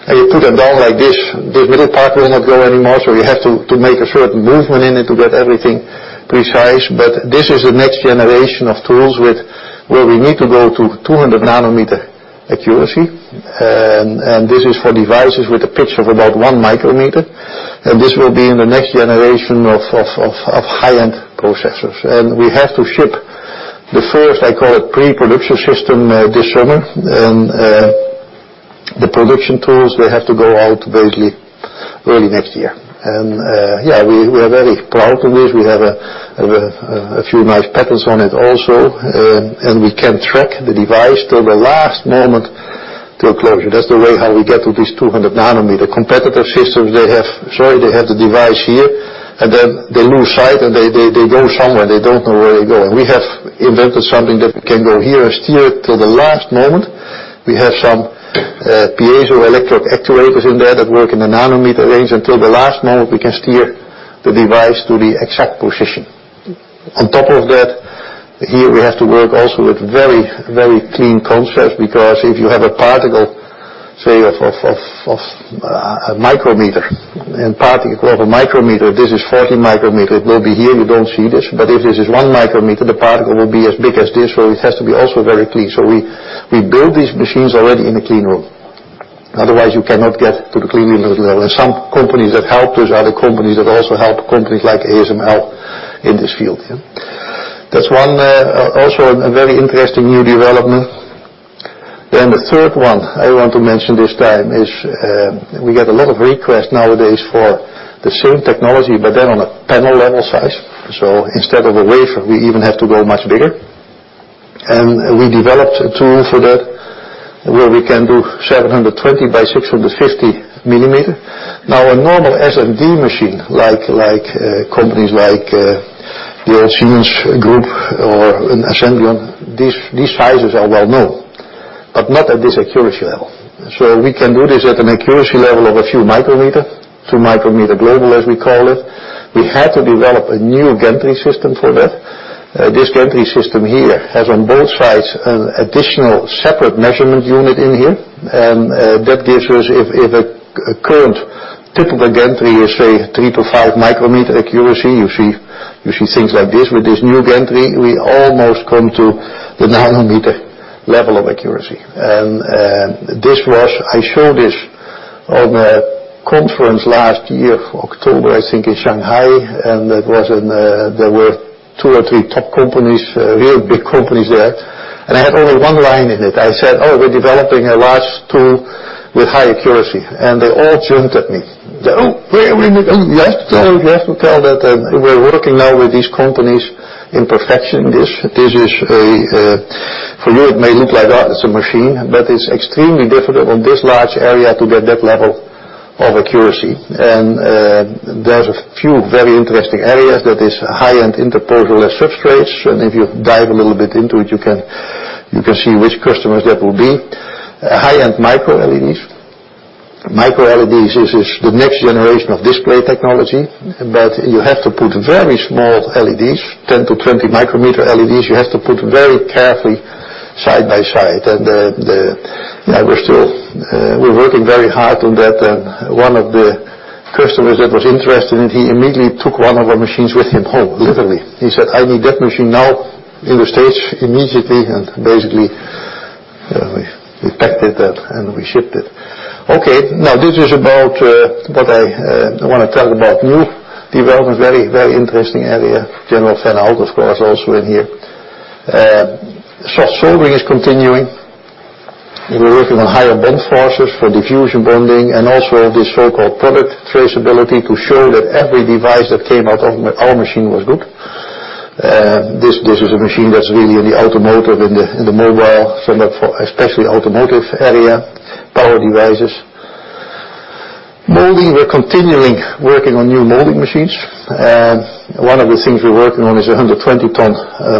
and you put it down like this middle part will not go anymore. You have to make a certain movement in it to get everything precise. This is the next generation of tools where we need to go to 200 nanometer accuracy. This is for devices with a pitch of about 1 micrometer. This will be in the next generation of high-end processors. We have to ship the first, I call it, pre-production system this summer. The production tools, they have to go out basically early next year. Yeah, we are very proud of this. We have a few nice patents on it also. We can track the device till the last moment till closure. That's the way how we get to this 200 nanometer. Competitive systems, they have the device here, then they lose sight, they go somewhere. They don't know where they're going. We have invented something that can go here and steer till the last moment. We have some piezoelectric actuators in there that work in the nanometer range. Until the last moment, we can steer the device to the exact position. On top of that, here we have to work also with very, very clean concepts because if you have a particle, say, of a micrometer, a particle of a micrometer, this is 40 micrometer. It will be here. You don't see this. If this is 1 micrometer, the particle will be as big as this, where it has to be also very clean. We build these machines already in a clean room. Otherwise, you cannot get to the cleaning level. There are some companies that help those other companies that also help companies like ASML in this field. Yeah, that's one also a very interesting new development. The third one I want to mention this time is, we get a lot of requests nowadays for the same technology, then on a panel-level size. Instead of a wafer, we even have to go much bigger. We developed a tool for that, where we can do 720 by 650 millimeter. A normal SMD machine, companies like the old Siemens group or an ASMPT, these sizes are well-known, not at this accuracy level. We can do this at an accuracy level of a few micrometers, two micrometer global, as we call it. We had to develop a new gantry system for that. This gantry system here has on both sides an additional separate measurement unit in here. That gives us, if a current typical gantry is, say, 3 to 5 micrometer accuracy, you see things like this. With this new gantry, we almost come to the nanometer level of accuracy. I showed this on a conference last year, October, I think, in Shanghai, there were 2 or 3 top companies, real big companies there. I had only one line in it. I said, "Oh, we're developing a large tool with high accuracy." They all jumped at me. "Oh, where?" I mean, you have to tell that we are working now with these companies in perfection. For you, it may look like, oh, it's a machine, but it's extremely difficult on this large area to get that level of accuracy. There's a few very interesting areas that is high-end interposer substrates. If you dive a little bit into it, you can see which customers that will be. High-end MicroLEDs. MicroLEDs is the next generation of display technology. You have to put very small LEDs, 10 to 20 micrometer LEDs, you have to put very carefully side by side. We're working very hard on that. One of the customers that was interested, he immediately took one of our machines with him home, literally. He said, "I need that machine now in the States immediately." Basically, we packed it and we shipped it. This is about what I want to tell about new development. Very interesting area. General fan-out, of course, also in here. Soldering is continuing. We're working on higher bend forces for diffusion bonding and also this so-called product traceability to show that every device that came out of our machine was good. This is a machine that's really in the automotive, in the mobile, especially automotive area, power devices. Molding. We're continuing working on new molding machines. One of the things we're working on is 120 ton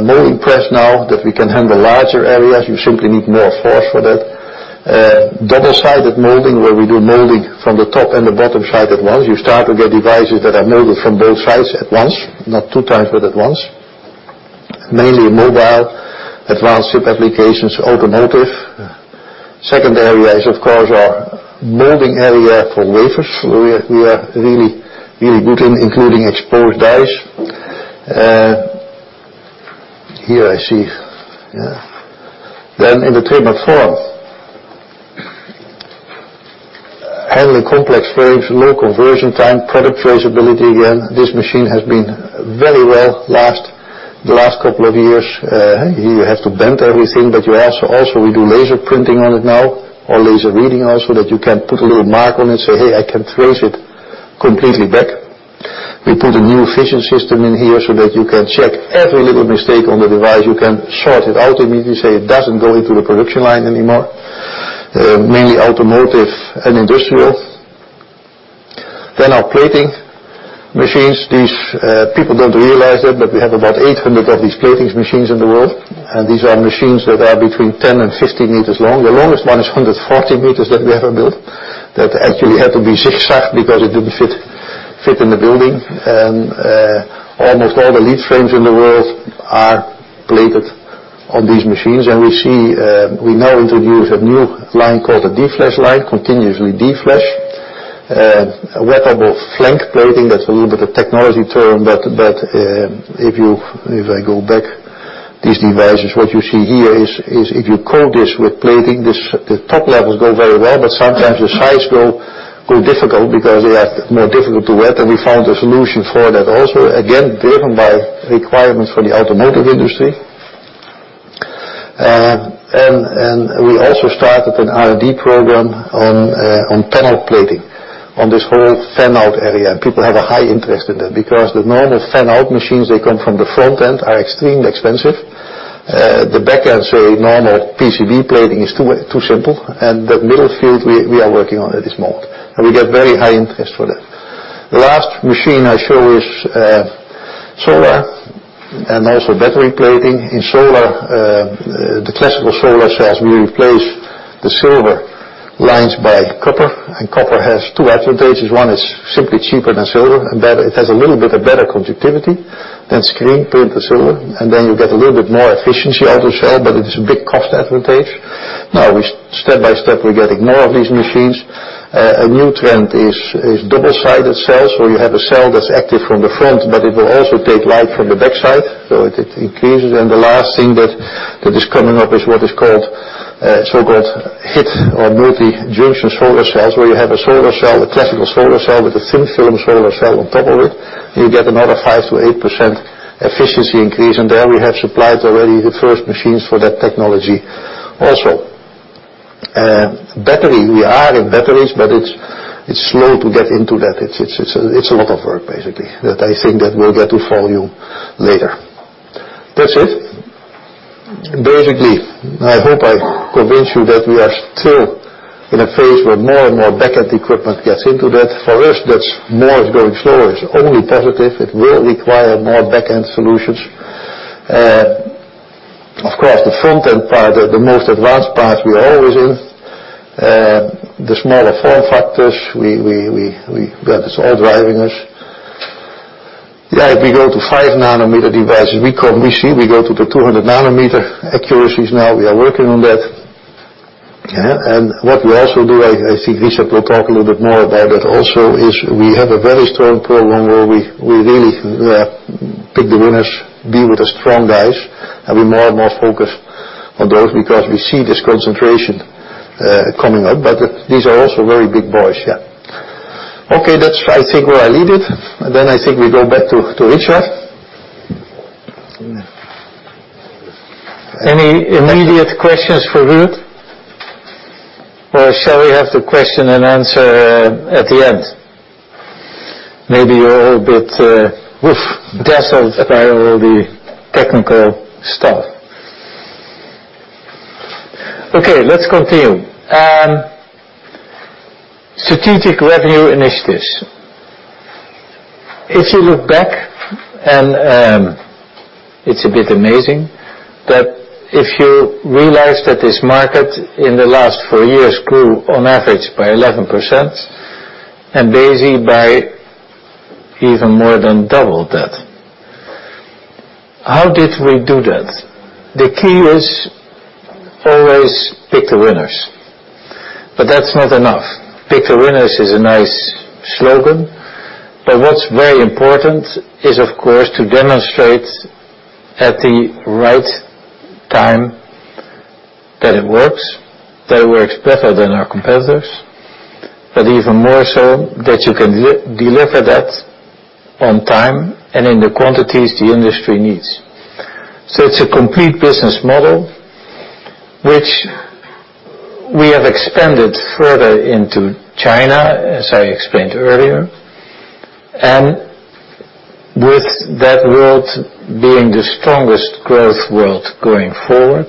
molding press now that we can handle larger areas. You simply need more force for that. Double-sided molding, where we do molding from the top and the bottom side at once. You start to get devices that are molded from both sides at once, not two times, but at once. Mainly mobile, advanced chip applications, automotive. Second area is, of course, our molding area for wafers. We are really good in including exposed dies. Here I see. In the trim and form. Handling complex frames, low conversion time, product traceability. Again, this machine has been very well the last couple of years. Here, you have to bend everything, but also we do laser printing on it now or laser reading also that you can put a little mark on it and say, "Hey, I can trace it completely back." We put a new vision system in here so that you can check every little mistake on the device. You can sort it out immediately, say, it doesn't go into the production line anymore. Mainly automotive and industrial. Our plating machines. People don't realize it, but we have about 800 of these plating machines in the world. These are machines that are between 10 and 15 meters long. The longest one is 140 meters that we ever built, that actually had to be zigzag because it didn't fit in the building. Almost all the lead frames in the world are plated on these machines. We now introduce a new line called a deflash line, continuously deflash. Wettable flank plating, that's a little bit of technology term, but if I go back, these devices, what you see here is if you coat this with plating, the top levels go very well, but sometimes the sides go difficult because they are more difficult to wet, and we found a solution for that also. Again, driven by requirements for the automotive industry. We also started an R&D program on panel plating on this whole fan-out area. People have a high interest in that because the normal fan-out machines that come from the front end are extremely expensive. The back ends, so normal PCB plating is too simple, and that middle field, we are working on it this month. We get very high interest for that. The last machine I show is solar and also battery plating. In solar, the classical solar cells, we replace the silver lines by copper, and copper has two advantages. One is simply cheaper than silver, and that it has a little bit of better conductivity than screen printed silver. Then you get a little bit more efficiency out of the cell, but it is a big cost advantage. Now, step by step, we're getting more of these machines. A new trend is double-sided cells, where you have a cell that's active from the front, but it will also take light from the backside, so it increases. The last thing that is coming up is what is called so-called HIT or multi-junction solar cells, where you have a solar cell, the classical solar cell with a thin film solar cell on top of it, you get another 5%-8% efficiency increase. There we have supplied already the first machines for that technology also. Battery, we are in batteries, but it's slow to get into that. It's a lot of work, basically, that I think that will get to volume later. That's it. Basically, I hope I convinced you that we are still in a phase where more and more backend equipment gets into that. For us, that's more is going slower. It's only positive. It will require more backend solutions. Of course, the front-end part are the most advanced parts we are always in. The smaller form factors, that is all driving us. If we go to five nanometer devices, we see we go to the 200 nanometer accuracies now. We are working on that. What we also do, I think Richard will talk a little bit more about that also, is we have a very strong program where we really pick the winners, be with the strong guys, and we more and more focus on those because we see this concentration coming up. These are also very big boys. Yeah. Okay. That's where I think I leave it, I think we go back to Richard. Any immediate questions for Ruurd? Or shall we have the question and answer at the end? Maybe you're all a bit dazzled by all the technical stuff. Let's continue. Strategic revenue initiatives. If you look back, it's a bit amazing, but if you realize that this market in the last 4 years grew on average by 11%, and Besi by even more than double that. How did we do that? The key is always pick the winners, but that's not enough. Pick the winners is a nice slogan, but what's very important is, of course, to demonstrate at the right time that it works, that it works better than our competitors, but even more so that you can deliver that on time and in the quantities the industry needs. It's a complete business model, which we have expanded further into China, as I explained earlier. With that world being the strongest growth world going forward,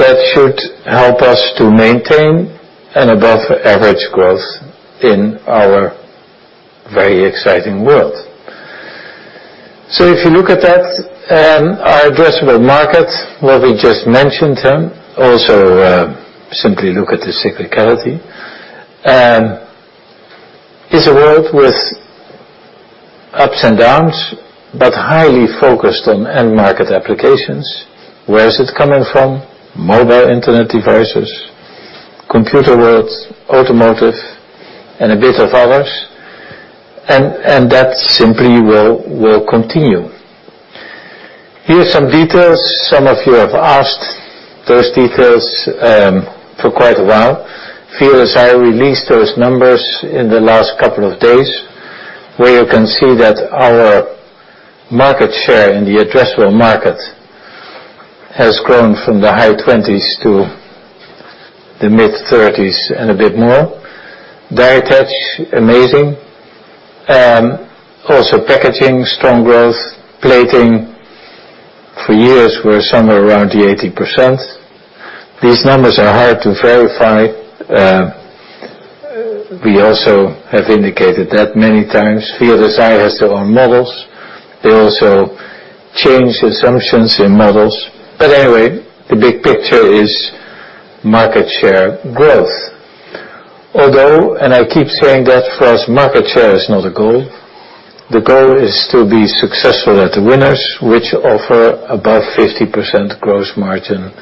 that should help us to maintain an above-average growth in our very exciting world. If you look at that, our addressable market, what we just mentioned then, also simply look at the cyclicality. It's a world with ups and downs, but highly focused on end market applications. Where is it coming from? Mobile internet devices, computer world, automotive, and a bit of others, and that simply will continue. Here are some details. Some of you have asked those details for quite a while. Viavi released those numbers in the last couple of days, where you can see that our market share in the addressable market has grown from the high 20s to the mid-30s and a bit more. Die attach, amazing. Also packaging, strong growth. Plating for years were somewhere around 80%. These numbers are hard to verify. We also have indicated that many times. Viavi has their own models. They also change assumptions in models. Anyway, the big picture is market share growth. Although, I keep saying that for us, market share is not a goal. The goal is to be successful at the winners, which offer above 50% gross margin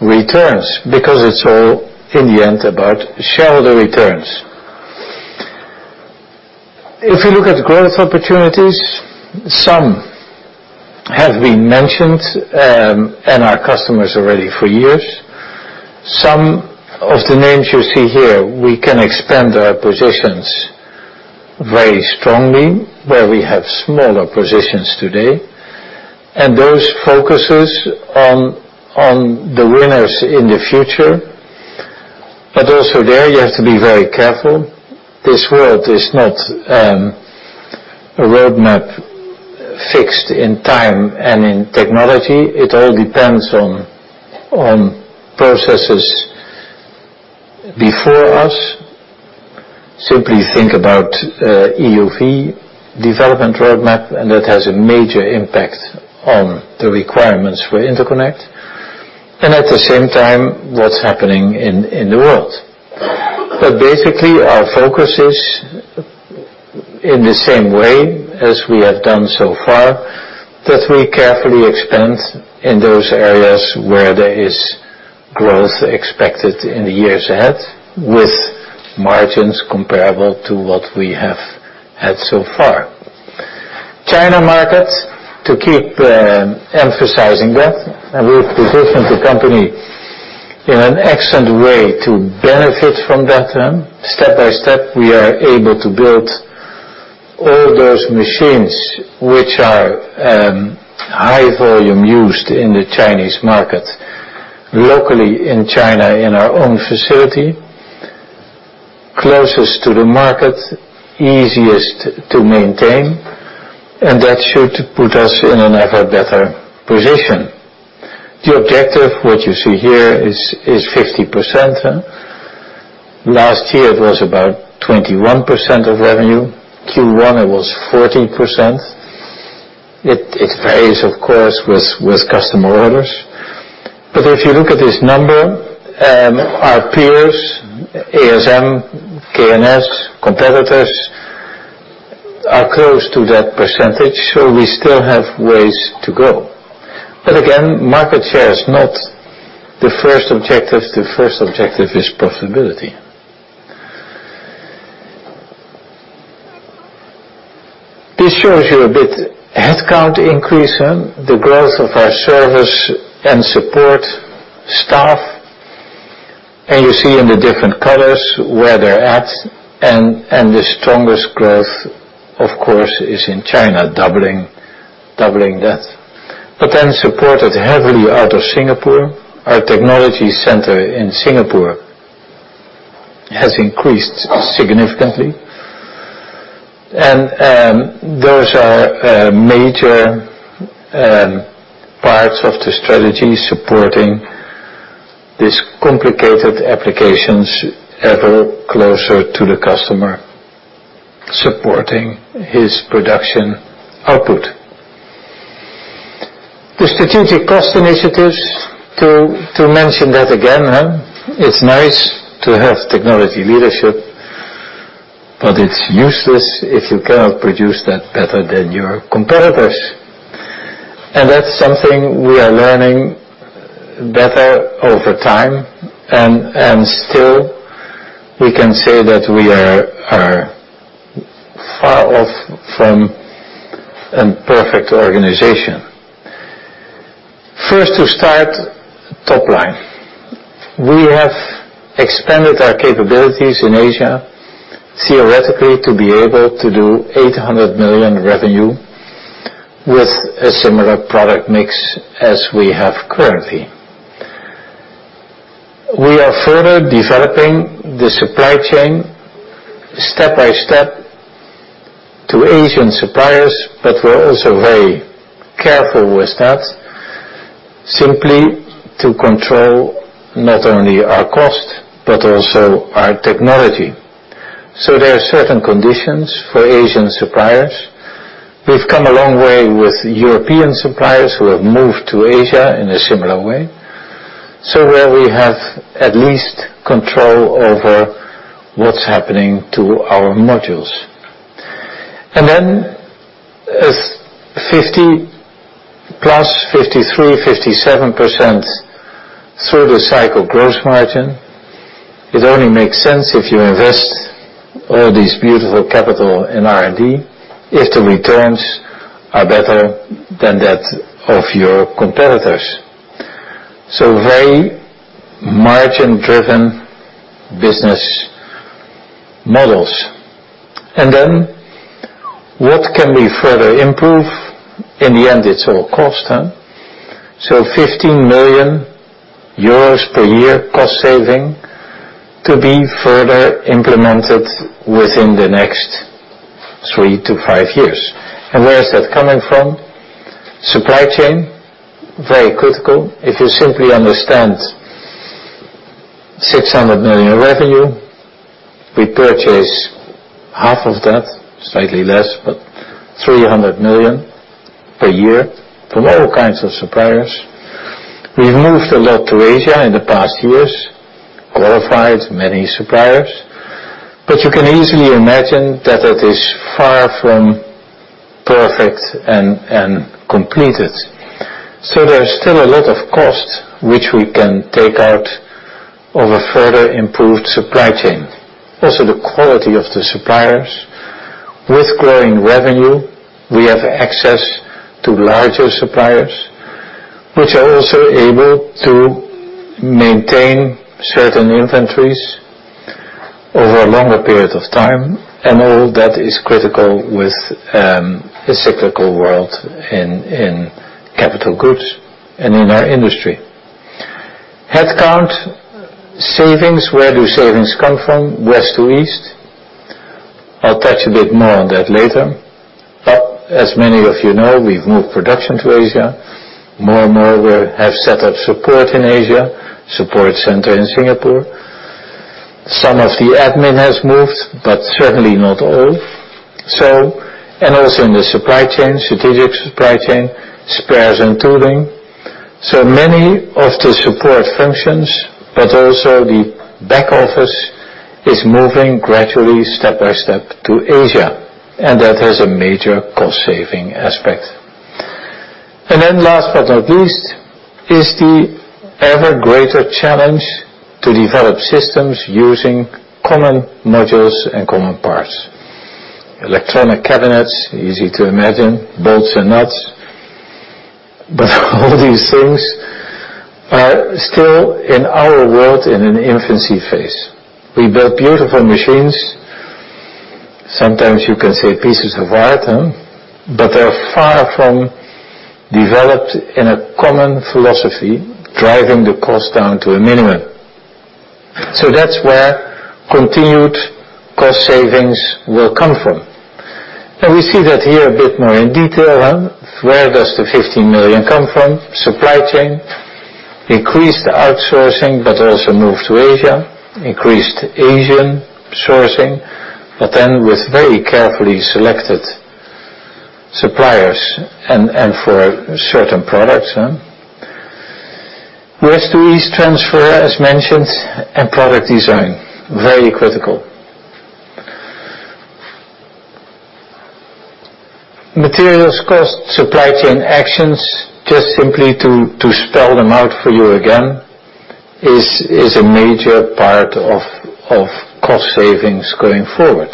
returns, because it's all in the end about shareholder returns. If you look at growth opportunities, some have been mentioned, and our customers already for years. Some of the names you see here, we can expand our positions very strongly where we have smaller positions today, and those focuses on the winners in the future. Also there, you have to be very careful. This world is not a roadmap fixed in time and in technology. It all depends on processes before us. Simply think about EUV development roadmap, that has a major impact on the requirements for interconnect, at the same time, what's happening in the world. Basically, our focus is in the same way as we have done so far, that we carefully expand in those areas where there is growth expected in the years ahead, with margins comparable to what we have had so far. China market, to keep emphasizing that. We have positioned the company in an excellent way to benefit from that. Step by step, we are able to build all those machines, which are high volume used in the Chinese market, locally in China, in our own facility, closest to the market, easiest to maintain, that should put us in an ever better position. The objective, what you see here, is 50%. Last year, it was about 21% of revenue. Q1, it was 14%. It varies, of course, with customer orders. If you look at this number, our peers, ASM, K&S, competitors, are close to that %, so we still have ways to go. Again, market share is not the first objective. The first objective is profitability. This shows you a bit headcount increase, the growth of our service and support staff. You see in the different colors where they're at. The strongest growth, of course, is in China, doubling that. Supported heavily out of Singapore. Our technology center in Singapore has increased significantly. Those are major parts of the strategy supporting these complicated applications ever closer to the customer, supporting his production output. The strategic cost initiatives, to mention that again. It's nice to have technology leadership, but it's useless if you cannot produce that better than your competitors. That's something we are learning better over time. Still, we can say that we are far off from a perfect organization. First to start, top line. We have expanded our capabilities in Asia, theoretically, to be able to do 800 million revenue with a similar product mix as we have currently. We are further developing the supply chain step by step to Asian suppliers, but we're also very careful with that, simply to control not only our cost, but also our technology. There are certain conditions for Asian suppliers. We've come a long way with European suppliers who have moved to Asia in a similar way. Where we have at least control over what's happening to our modules. As 50-plus, 53%, 57% through the cycle gross margin, it only makes sense if you invest all this beautiful capital in R&D, if the returns are better than that of your competitors. Very margin-driven business models. What can we further improve? In the end, it's all cost. 15 million euros per year cost saving to be further implemented within the next three to five years. Where is that coming from? Supply chain, very critical. If you simply understand 600 million revenue, we purchase half of that, slightly less, but 300 million per year from all kinds of suppliers. We've moved a lot to Asia in the past years, qualified many suppliers, but you can easily imagine that it is far from perfect and completed. There's still a lot of cost which we can take out of a further improved supply chain. Also, the quality of the suppliers. With growing revenue, we have access to larger suppliers, which are also able to maintain certain inventories over a longer period of time, and all that is critical with a cyclical world in capital goods and in our industry. Headcount savings, where do savings come from? West to East. I'll touch a bit more on that later. As many of you know, we've moved production to Asia. More and more, we have set up support in Asia, support center in Singapore. Some of the admin has moved, but certainly not all. Also in the supply chain, strategic supply chain, spares and tooling. Many of the support functions, but also the back office, is moving gradually step by step to Asia, and that has a major cost-saving aspect. Last but not least, is the ever greater challenge to develop systems using common modules and common parts. Electronic cabinets, easy to imagine, bolts and nuts. All these things are still in our world in an infancy phase. We build beautiful machines. Sometimes you can say pieces of art. They're far from developed in a common philosophy, driving the cost down to a minimum. That's where continued cost savings will come from. We see that here a bit more in detail. Where does the 15 million come from? Supply chain, increased outsourcing, but also move to Asia, increased Asian sourcing, but then with very carefully selected suppliers and for certain products. West to east transfer, as mentioned, and product design, very critical. Materials cost, supply chain actions, just simply to spell them out for you again, is a major part of cost savings going forward.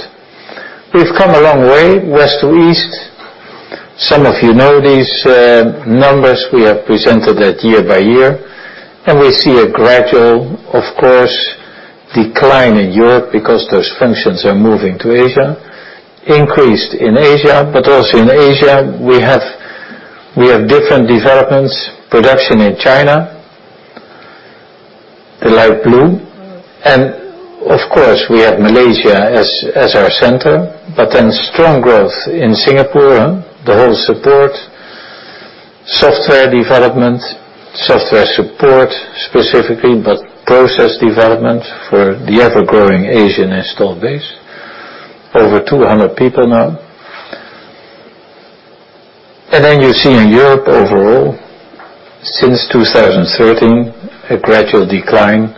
We've come a long way, west to east. Some of you know these numbers. We have presented that year by year, and we see a gradual, of course, decline in Europe because those functions are moving to Asia. Increased in Asia, but also in Asia, we have different developments, production in China, the light blue. Of course, we have Malaysia as our center, but then strong growth in Singapore, the whole support, software development, software support specifically, but process development for the ever-growing Asian installed base. Over 200 people now. You see in Europe overall, since 2013, a gradual decline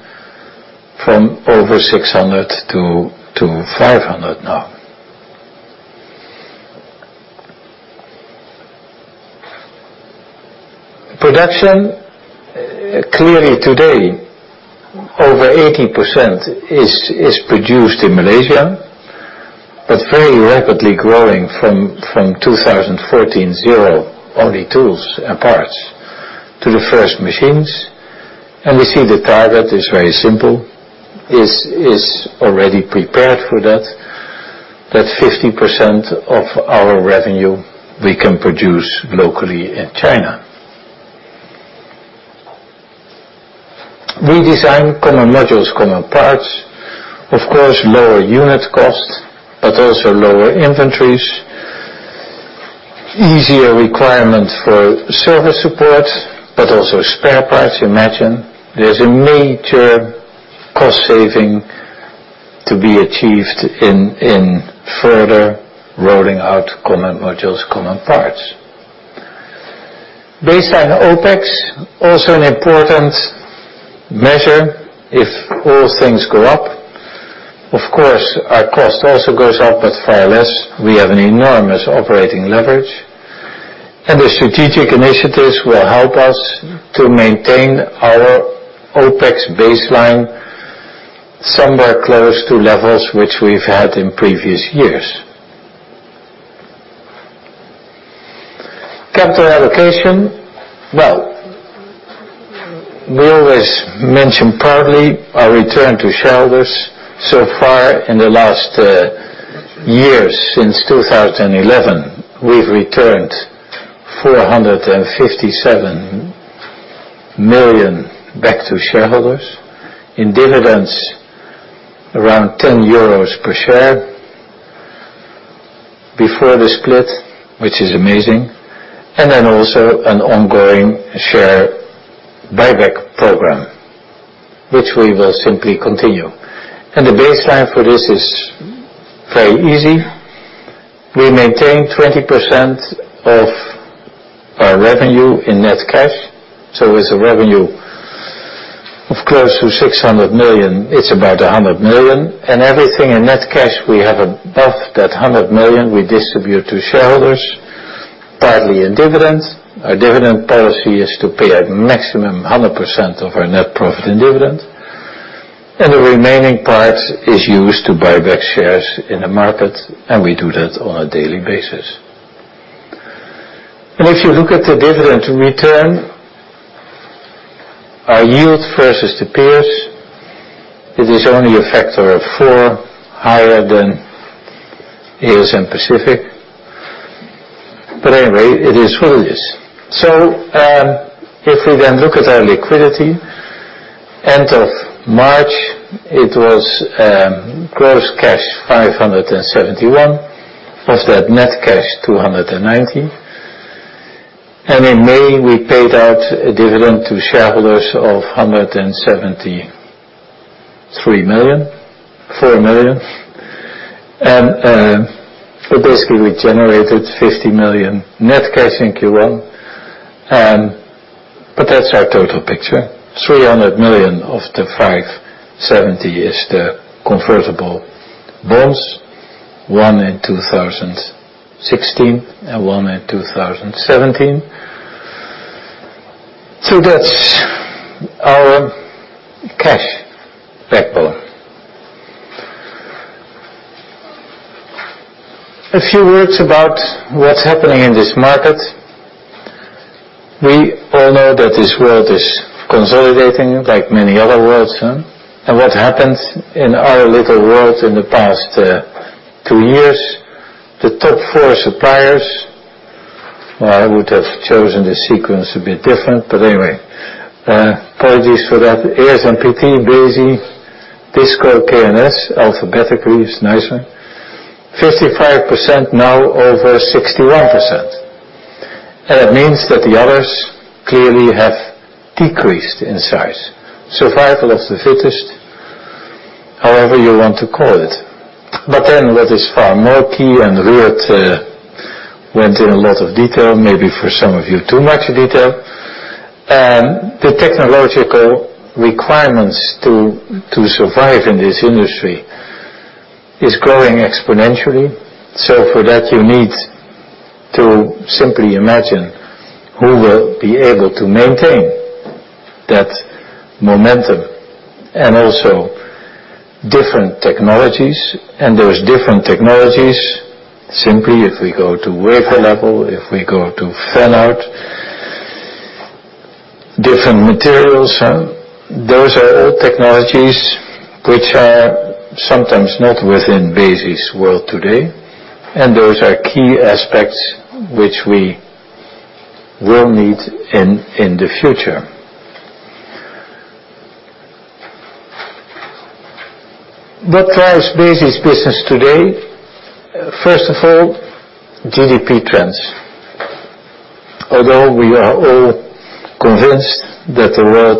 from over 600 to 500 now. Production, clearly today, over 80% is produced in Malaysia, but very rapidly growing from 2014, zero, only tools and parts, to the first machines. We see the target is very simple, is already prepared for that 50% of our revenue we can produce locally in China. Redesign common modules, common parts, of course, lower unit cost, but also lower inventories, easier requirement for service support, but also spare parts. Imagine there's a major cost saving to be achieved in further rolling out common modules, common parts. Baseline OpEx, also an important measure if all things go up. Of course, our cost also goes up, but far less. We have an enormous operating leverage, and the strategic initiatives will help us to maintain our OpEx baseline somewhere close to levels which we've had in previous years. Capital allocation. We always mention partly our return to shareholders. Far in the last years since 2011, we've returned 457 million back to shareholders. In dividends, around 10 euros per share before the split, which is amazing. Also an ongoing share buyback program, which we will simply continue. The baseline for this is very easy. We maintain 20% of our revenue in net cash. With a revenue of close to 600 million, it's about 100 million. Everything in net cash we have above that 100 million we distribute to shareholders, partly in dividends. Our dividend policy is to pay a maximum 100% of our net profit in dividends, and the remaining part is used to buy back shares in the market, and we do that on a daily basis. If you look at the dividend return, our yield versus the peers, it is only a factor of four higher than Asia and Pacific. Anyway, it is what it is. If we then look at our liquidity, end of March, it was gross cash 571. Of that, net cash 290. In May, we paid out a dividend to shareholders of 174 million. Basically, we generated 50 million net cash in Q1. That's our total picture. 300 million of the 570 is the convertible bonds, one in 2016 and one in 2017. That's our cash backbone. A few words about what's happening in this market. We all know that this world is consolidating like many other worlds. What happened in our little world in the past two years, the top four suppliers, while I would have chosen this sequence a bit different, but anyway, apologies for that. ASMPT, Besi, Disco, K&S, alphabetically is nicer, 55% now over 61%. It means that the others clearly have decreased in size. Survival of the fittest, however you want to call it. What is far more key, and Ruurd went in a lot of detail, maybe for some of you too much detail, the technological requirements to survive in this industry is growing exponentially. For that, you need to simply imagine who will be able to maintain that momentum and also different technologies. There is different technologies, simply if we go to wafer level, if we go to fan-out, different materials. Those are all technologies which are sometimes not within Besi's world today, and those are key aspects which we will need in the future. What drives Besi's business today? First of all, GDP trends. Although we are all convinced that the world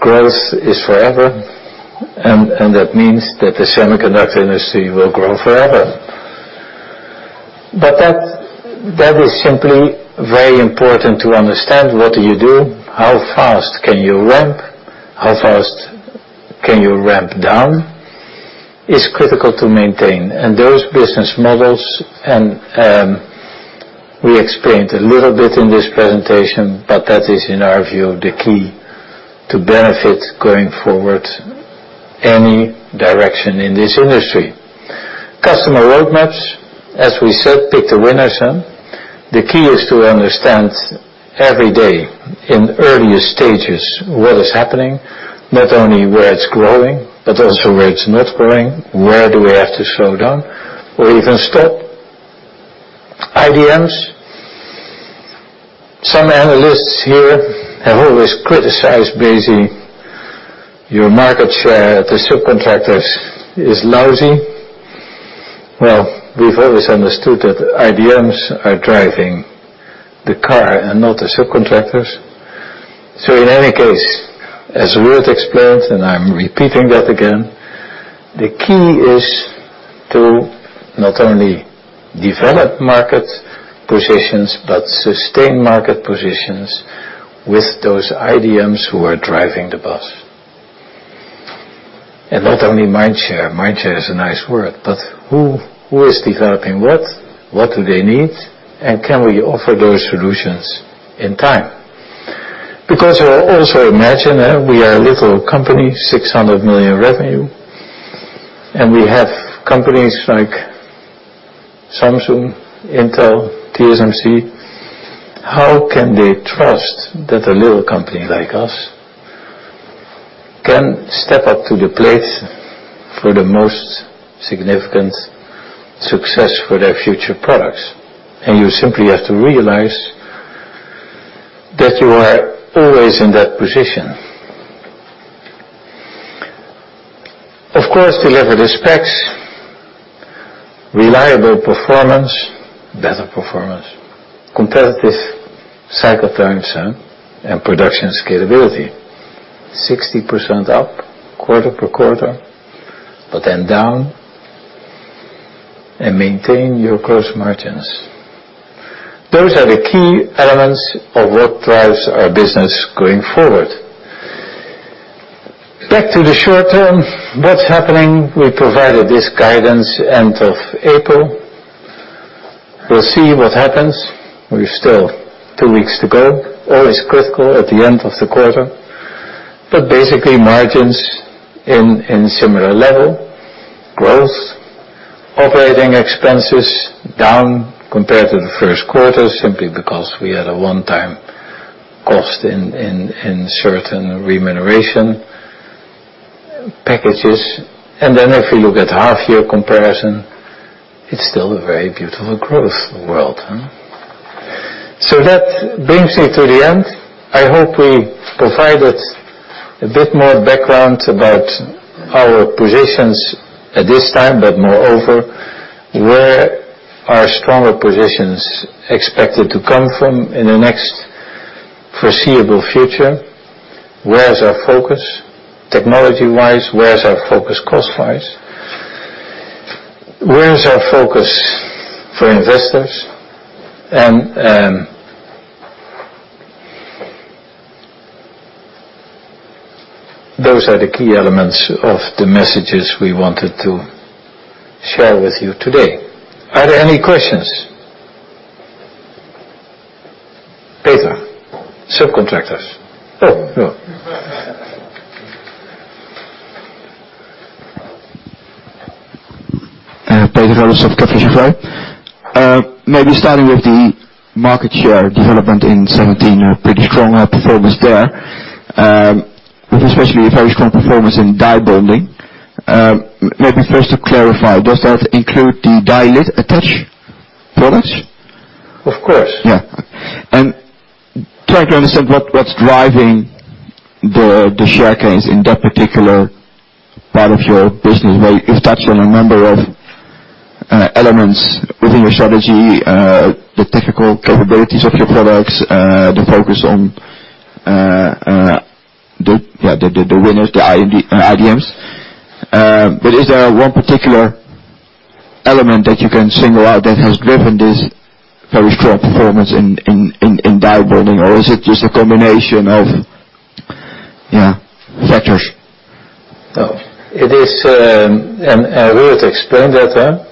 growth is forever, and that means that the semiconductor industry will grow forever. That is simply very important to understand what do you do, how fast can you ramp, how fast can you ramp down, is critical to maintain. Those business models, and we explained a little bit in this presentation, that is in our view, the key to benefit going forward any direction in this industry. Customer roadmaps, as we said, pick the winners. The key is to understand every day in earlier stages what is happening, not only where it's growing, but also where it's not growing. Where do we have to slow down or even stop? IDMs. Some analysts here have always criticized Besi, "Your market share at the subcontractors is lousy." Well, we've always understood that IDMs are driving the car and not the subcontractors. In any case, as Ruurd explained, and I'm repeating that again, the key is to not only develop market positions but sustain market positions with those IDMs who are driving the bus. Not only mindshare. Mindshare is a nice word, but who is developing what do they need, and can we offer those solutions in time? Because you also imagine we are a little company, 600 million revenue, and we have companies like Samsung, Intel, TSMC. How can they trust that a little company like us can step up to the plate for the most significant success for their future products? You simply have to realize that you are always in that position. Of course, deliver the specs, reliable performance, better performance, competitive cycle times, and production scalability, 60% up quarter per quarter, down and maintain your gross margins. Those are the key elements of what drives our business going forward. Back to the short term, what's happening, we provided this guidance end of April. We'll see what happens. We've still two weeks to go. Always critical at the end of the quarter. Basically margins in similar level. Growth, operating expenses down compared to the first quarter simply because we had a one-time cost in certain remuneration packages. If we look at half-year comparison, it's still a very beautiful growth world. That brings me to the end. I hope we provided a bit more background about our positions at this time, but moreover, where are stronger positions expected to come from in the next foreseeable future. Where is our focus technology-wise? Where is our focus cost-wise? Where is our focus for investors? Those are the key elements of the messages we wanted to share with you today. Are there any questions? Peter, subcontractors. Oh, no. Peter of. Maybe starting with the market share development in 2017, a pretty strong performance there, with especially a very strong performance in die bonding. Maybe first to clarify, does that include the die attach products? Of course. Yeah. Trying to understand what's driving the share gains in that particular part of your business, where you've touched on a number of elements within your strategy, the technical capabilities of your products, the focus on the winners, the IDMs. Is there one particular element that you can single out that has driven this very strong performance in die bonding? Or is it just a combination of factors? No. It is, Ruurd explained that.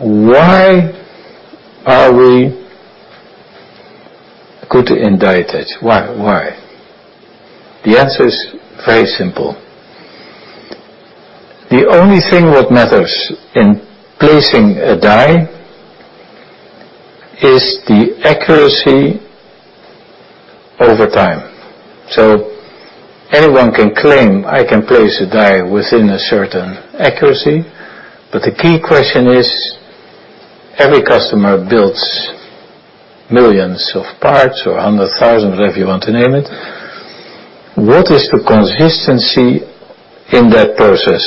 Why are we good in die-attach? Why? The answer is very simple. The only thing that matters in placing a die is the accuracy over time. Anyone can claim, "I can place a die within a certain accuracy," but the key question is, every customer builds millions of parts or 100,000, whatever you want to name it, what is the consistency in that process?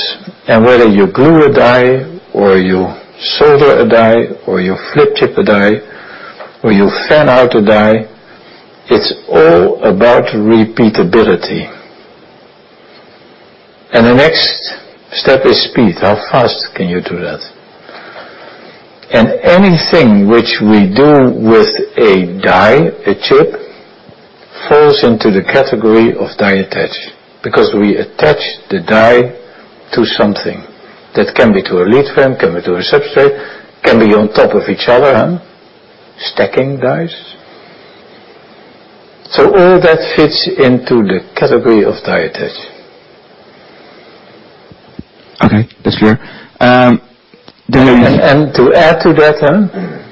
Whether you glue a die or you solder a die or you flip chip a die or you fan out a die, it's all about repeatability. The next step is speed. How fast can you do that? Anything which we do with a die, a chip, falls into the category of die-attach, because we attach the die to something. That can be to a lead frame, can be to a substrate, can be on top of each other, stacking dies. All that fits into the category of die-attach. Okay, that's clear. To add to that,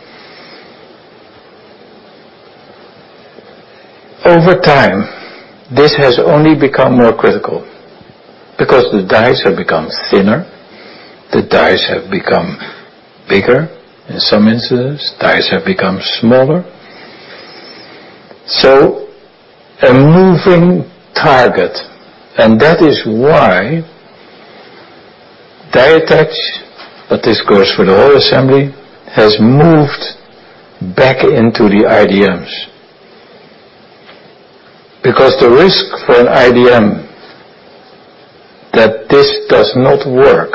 over time, this has only become more critical because the dies have become thinner, the dies have become bigger in some instances, dies have become smaller. A moving target. That is why die attach, but this goes for the whole assembly, has moved back into the IDMs. The risk for an IDM that this does not work,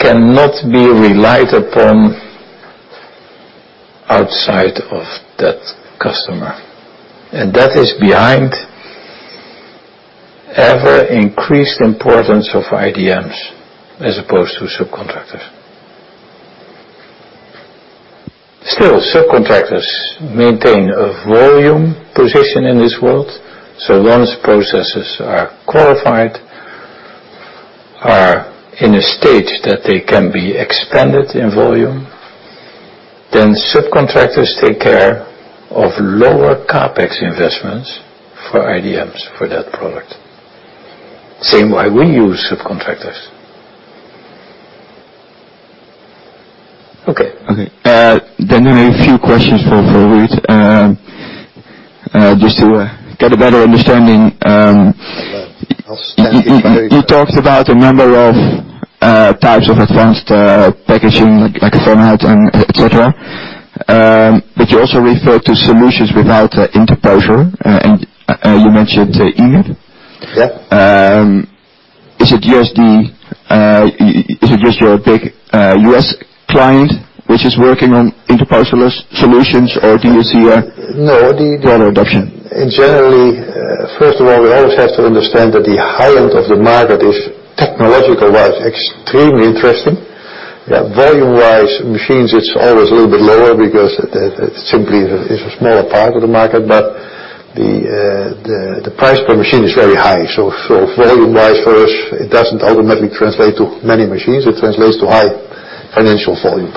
cannot be relied upon outside of that customer. That is behind ever increased importance of IDMs as opposed to subcontractors. Still, subcontractors maintain a volume position in this world. Once processes are qualified, are in a state that they can be expanded in volume, then subcontractors take care of lower CapEx investments for IDMs for that product. Same way we use subcontractors. I have a few questions for Ruurd, just to get a better understanding. I'll stand behind. You talked about a number of types of advanced packaging like fan-out and et cetera. You also referred to solutions without an interposer, and you mentioned EMIB. Yeah. Is it just your big U.S. client which is working on interposer-less solutions, or do you see? No. Broader adoption? In generally, first of all, we always have to understand that the high end of the market is technological-wise extremely interesting. Volume-wise, machines, it's always a little bit lower because it simply is a smaller part of the market, but the price per machine is very high. Volume-wise for us, it doesn't automatically translate to many machines. It translates to high financial volume.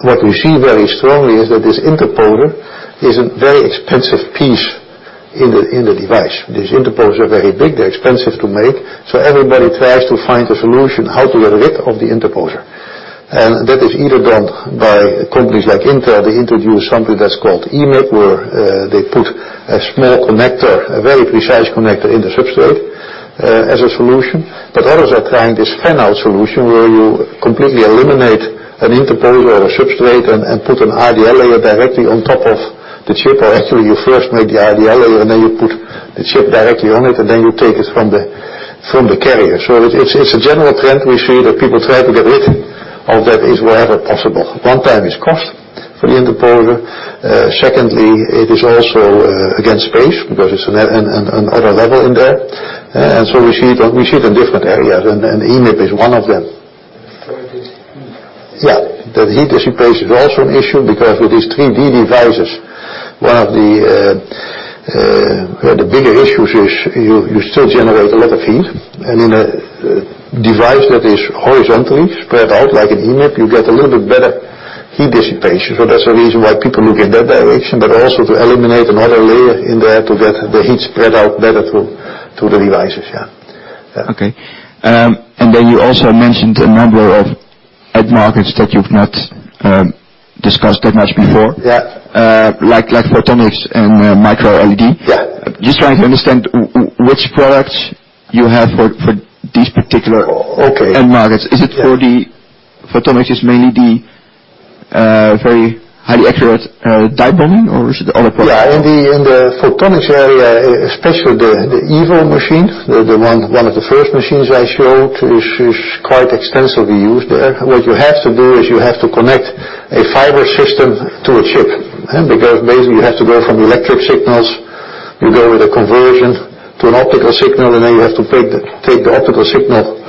What we see very strongly is that this interposer is a very expensive piece in the device. These interposers are very big. They're expensive to make. Everybody tries to find a solution how to get rid of the interposer. That is either done by companies like Intel. They introduced something that's called EMIB, where they put a small connector, a very precise connector in the substrate as a solution. Others are trying this fan-out solution, where you completely eliminate an interposer or a substrate and put an IDM layer directly on top of The chip, or actually you first make the RDL and then you put the chip directly on it, and then you take it from the carrier. It is a general trend. We see that people try to get rid of that wherever possible. One time is cost for the interposer. Secondly, it is also against space because it is another level in there. We see it in different areas, and EMIB is one of them. It is heat? Yeah. The heat dissipation is also an issue because with these 3D devices, one of the bigger issues is you still generate a lot of heat. In a device that is horizontally spread out like an EMIB, you get a little bit better heat dissipation. That is the reason why people look in that direction, but also to eliminate another layer in there to get the heat spread out better to the devices. Yeah. Okay. You also mentioned a number of end markets that you have not discussed that much before. Yeah. Like photonics and MicroLED. Yeah. Just trying to understand which products you have for these particular. Okay end markets. Is it for the photonics is mainly the very highly accurate die bonding, or is it other products? Yeah, in the photonics area, especially the Evo machine, one of the first machines I showed, is quite extensively used there. What you have to do is you have to connect a fiber system to a chip. Basically, you have to go from electric signals, you go with a conversion to an optical signal, and then you have to take the optical signal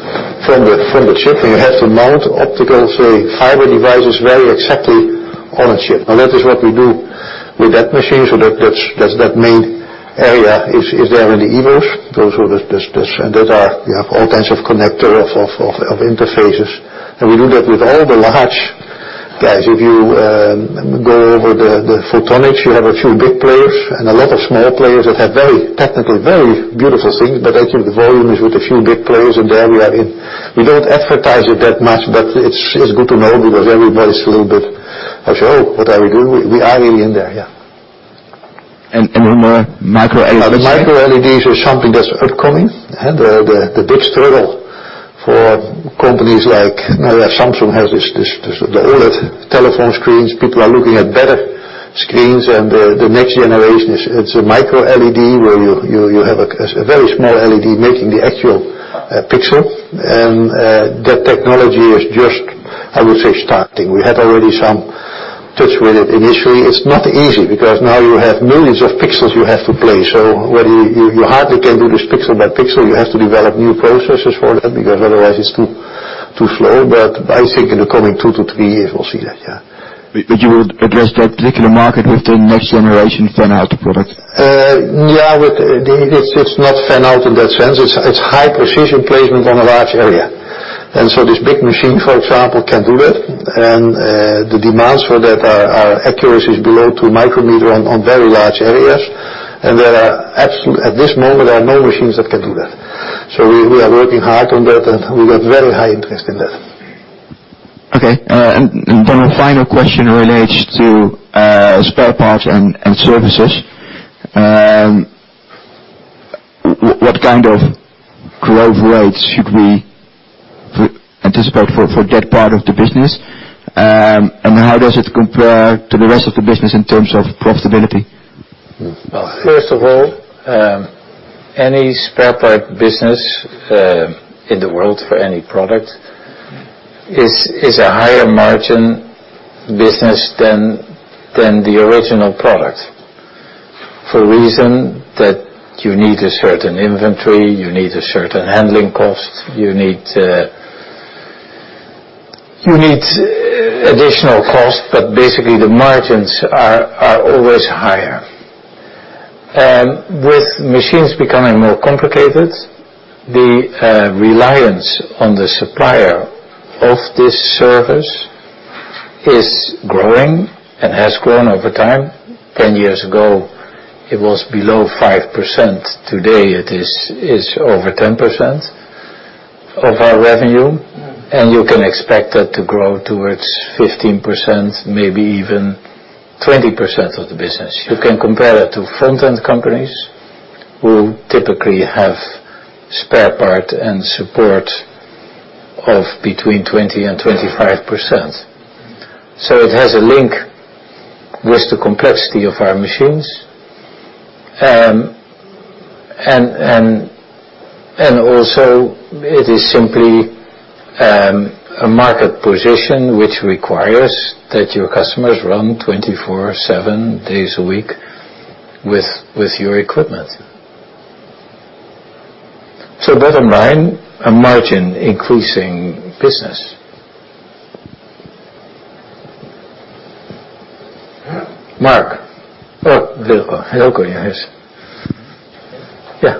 from the chip. You have to mount optical, say, fiber devices very exactly on a chip. That is what we do with that machine. That main area is there in the Evos. Those are the. You have all kinds of connector of interfaces, and we do that with all the large guys. If you go over the photonics, you have a few big players and a lot of small players that have very technical, very beautiful things, but actually the volume is with a few big players, and there we are in. We don't advertise it that much, but it's good to know because everybody's a little bit, "Oh, what are we doing?" We are really in there. Yeah. MicroLEDs? The MicroLEDs are something that's upcoming. The ditch turtle for companies like Now that Samsung has this, the older telephone screens. People are looking at better screens and the next generation is, it's a MicroLED, where you have a very small LED making the actual pixel. That technology is just, I would say, starting. We had already some touch with it initially. It's not easy because now you have millions of pixels you have to place. You hardly can do this pixel by pixel. You have to develop new processes for that, because otherwise it's too slow. I think in the coming two to three years, we'll see that. Yeah. You would address that particular market with the next generation fan-out product? Yeah, it's not fan-out in that sense. It's high precision placement on a large area. This big machine, for example, can do that, and the demands for that are accuracies below two micrometer on very large areas. At this moment, there are no machines that can do that. We are working hard on that, and we got very high interest in that. Okay. A final question relates to spare parts and services. What kind of growth rates should we anticipate for that part of the business? How does it compare to the rest of the business in terms of profitability? Well, first of all, any spare part business in the world for any product is a higher margin business than the original product. For reason that you need a certain inventory, you need a certain handling cost, you need additional cost, but basically the margins are always higher. With machines becoming more complicated, the reliance on the supplier of this service is growing and has grown over time. 10 years ago, it was below 5%. Today, it is over 10% of our revenue. You can expect that to grow towards 15%, maybe even 20% of the business. You can compare that to front-end companies who typically have spare part and support of between 20% and 25%. It has a link with the complexity of our machines. Also it is simply a market position which requires that your customers run 24/7, days a week with your equipment. Bottom line, a margin-increasing business. Mark. Oh, Hilco. Hilco, yes. Yeah.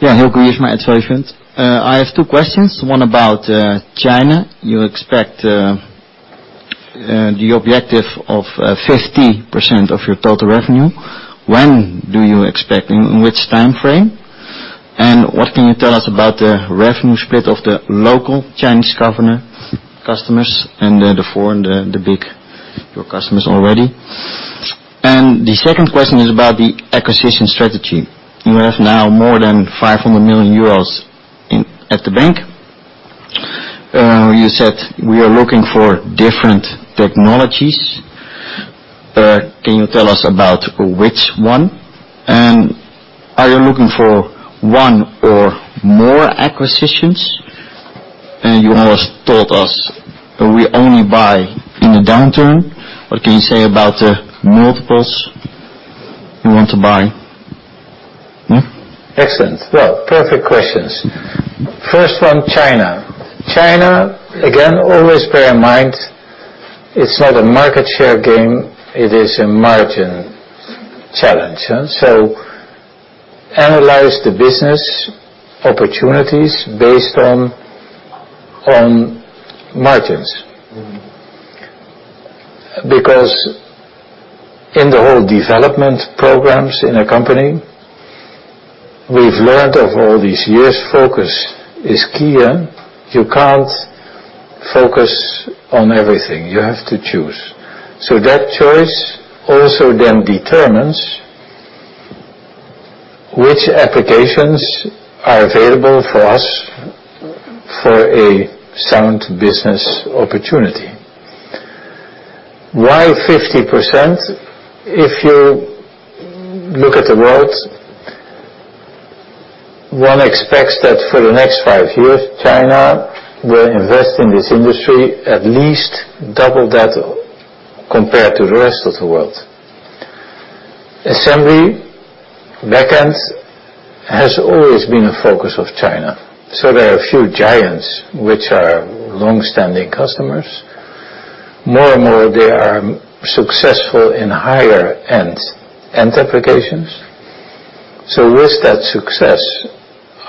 Yeah. [Hilco Wiersma] at [Add Value Fund]. I have two questions. One about China. You expect the objective of 50% of your total revenue. When do you expect, in which time frame? What can you tell us about the revenue split of the local Chinese customers and the foreign, the big, your customers already? The second question is about the acquisition strategy. You have now more than 500 million euros at the bank. You said we are looking for different technologies. Can you tell us about which one? Are you looking for one or more acquisitions? You almost told us we only buy in a downturn. What can you say about the multiples you want to buy? Hmm? Excellent. Well, perfect questions. First one, China. China, again, always bear in mind, it's not a market share game, it is a margin challenge. Analyze the business opportunities based on margins. In the whole development programs in a company, we've learned over all these years, focus is key. You can't focus on everything. You have to choose. That choice also then determines which applications are available for us for a sound business opportunity. Why 50%? If you look at the world, one expects that for the next five years, China will invest in this industry at least double that compared to the rest of the world. Assembly backend has always been a focus of China, there are a few giants which are longstanding customers. More and more, they are successful in higher-end applications. With that success,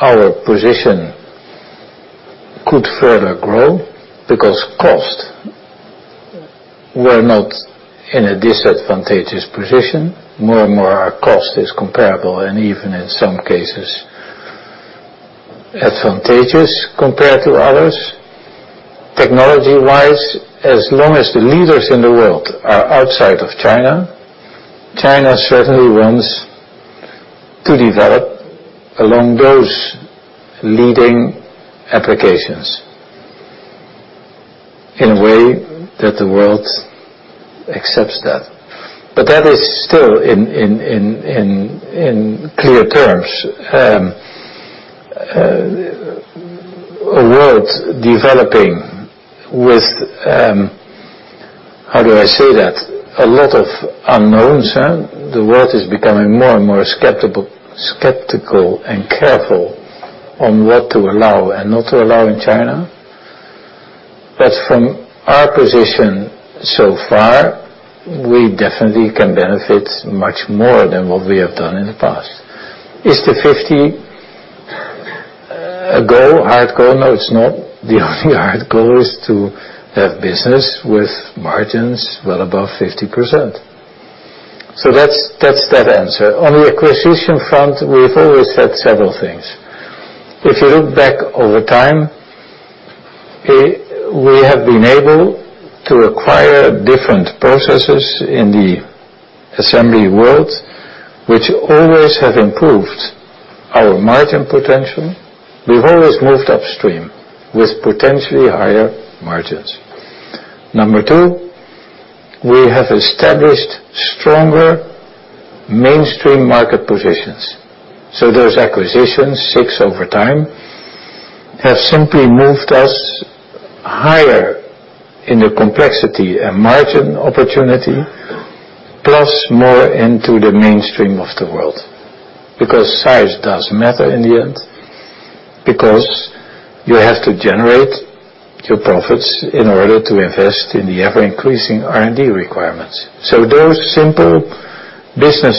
our position could further grow because cost, we're not in a disadvantageous position. More and more, our cost is comparable and even in some cases, advantageous compared to others. Technology-wise, as long as the leaders in the world are outside of China certainly wants to develop along those leading applications in a way that the world accepts that. That is still, in clear terms, a world developing with, how do I say that? A lot of unknowns. The world is becoming more and more skeptical and careful on what to allow and not to allow in China. From our position so far, we definitely can benefit much more than what we have done in the past. Is the 50% a goal, hard goal? No, it's not. The only hard goal is to have business with margins well above 50%. That's that answer. On the acquisition front, we've always said several things. If you look back over time, we have been able to acquire different processes in the assembly world, which always have improved our margin potential. We've always moved upstream with potentially higher margins. Number 2, we have established stronger mainstream market positions. Those acquisitions, six over time, have simply moved us higher in the complexity and margin opportunity, plus more into the mainstream of the world. Because size does matter in the end, because you have to generate your profits in order to invest in the ever-increasing R&D requirements. Those simple business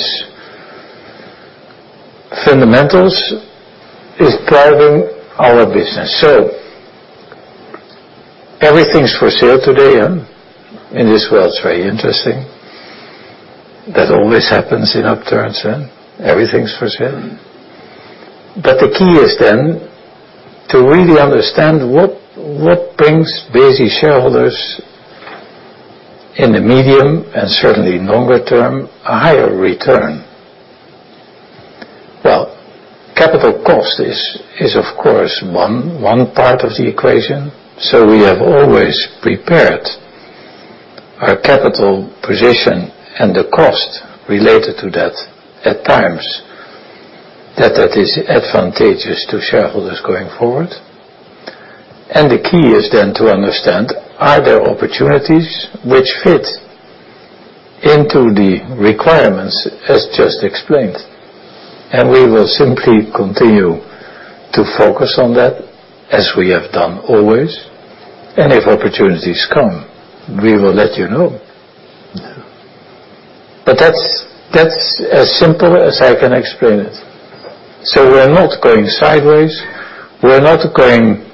fundamentals is driving our business. Everything's for sale today in this world. It's very interesting. That always happens in upturns. Everything's for sale. The key is then to really understand what brings Besi shareholders in the medium and certainly longer term, a higher return. Capital cost is of course, one part of the equation. We have always prepared our capital position and the cost related to that at times that that is advantageous to shareholders going forward. The key is then to understand, are there opportunities which fit into the requirements as just explained. We will simply continue to focus on that as we have done always. If opportunities come, we will let you know. That's as simple as I can explain it. We're not going sideways. We're not going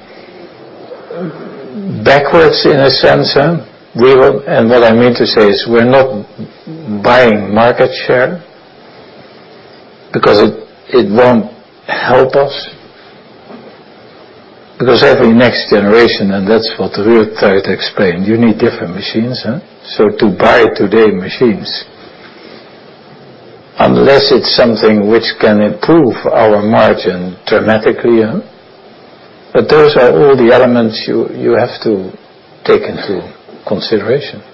backwards in a sense. What I mean to say is we're not buying market share because it won't help us. Every next generation, and that's what we'll try to explain, you need different machines. To buy today machines Unless it's something which can improve our margin dramatically. Those are all the elements you have to take into consideration.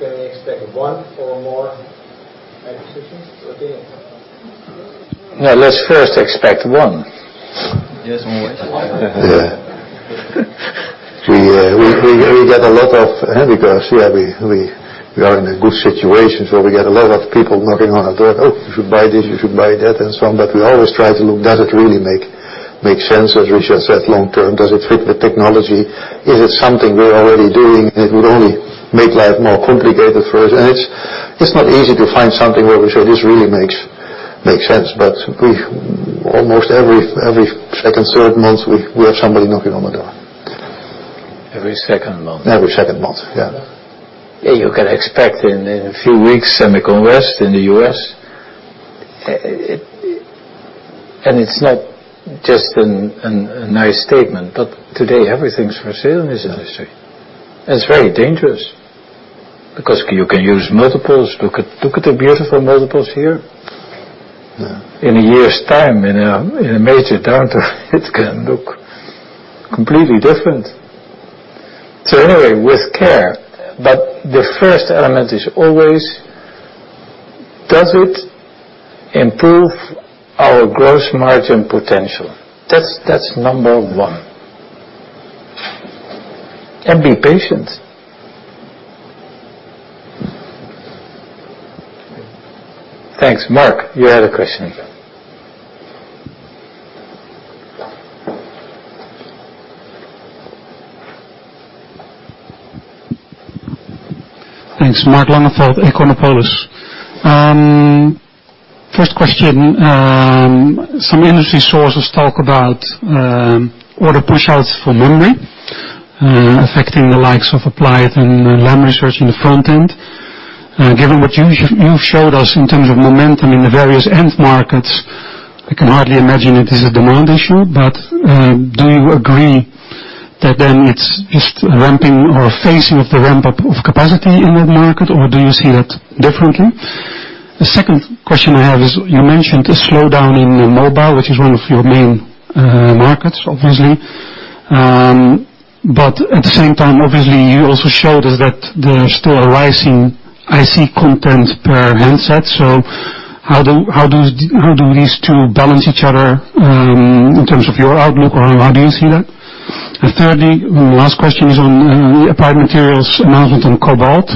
Can we expect one or more acquisitions today? No, let's first expect one. Just one. Yeah. Yeah, we are in a good situation where we get a lot of people knocking on our door. "Oh, you should buy this, you should buy that," and so on. We always try to look, does it really make sense, as Ruurd just said, long term? Does it fit the technology? Is it something we're already doing, and it would only make life more complicated for us? It's not easy to find something where we say, "This really makes sense." Almost every second, third month, we have somebody knocking on the door. Every second month. Every second month, yeah. Yeah, you can expect in a few weeks, SEMICON West in the U.S. It's not just a nice statement, but today everything's for sale in this industry. It's very dangerous because you can use multiples. Look at the beautiful multiples here. Yeah. In a year's time, in a major downturn it can look completely different. Anyway, with care. The first element is always, does it improve our gross margin potential? That's number one. Be patient. Thanks. Mark, you had a question. Thanks. Marc Lonneville, Econopolis. First question. Some industry sources talk about order push-outs for memory, affecting the likes of Applied and Lam Research in the front end. Given what you've showed us in terms of momentum in the various end markets, I can hardly imagine it is a demand issue. Do you agree that then it's just ramping or phasing of the ramp-up of capacity in that market, or do you see that differently? The second question I have is, you mentioned a slowdown in mobile, which is one of your main markets, obviously. At the same time, obviously, you also showed us that there's still a rise in IC content per handset. How do these two balance each other, in terms of your outlook, or how do you see that? Thirdly, last question is on Applied Materials announcement on cobalt.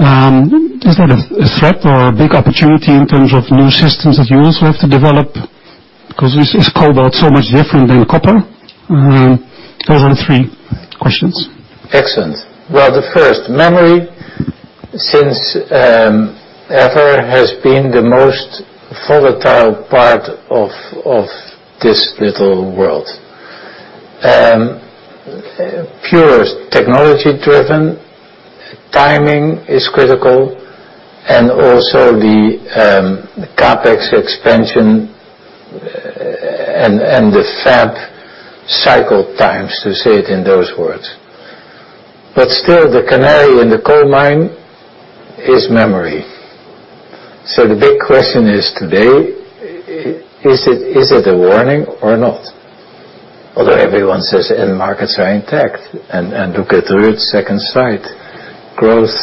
Is that a threat or a big opportunity in terms of new systems that you also have to develop? Because is cobalt so much different than copper? Those are the three questions. Excellent. Well, the first. Memory, since ever, has been the most volatile part of this little world. Pure technology driven, timing is critical, and also the CapEx expansion and the fab cycle times, to say it in those words. Still the canary in the coal mine is memory. The big question is today, is it a warning or not? Although everyone says end markets are intact, and look at Ruurd's second side, growth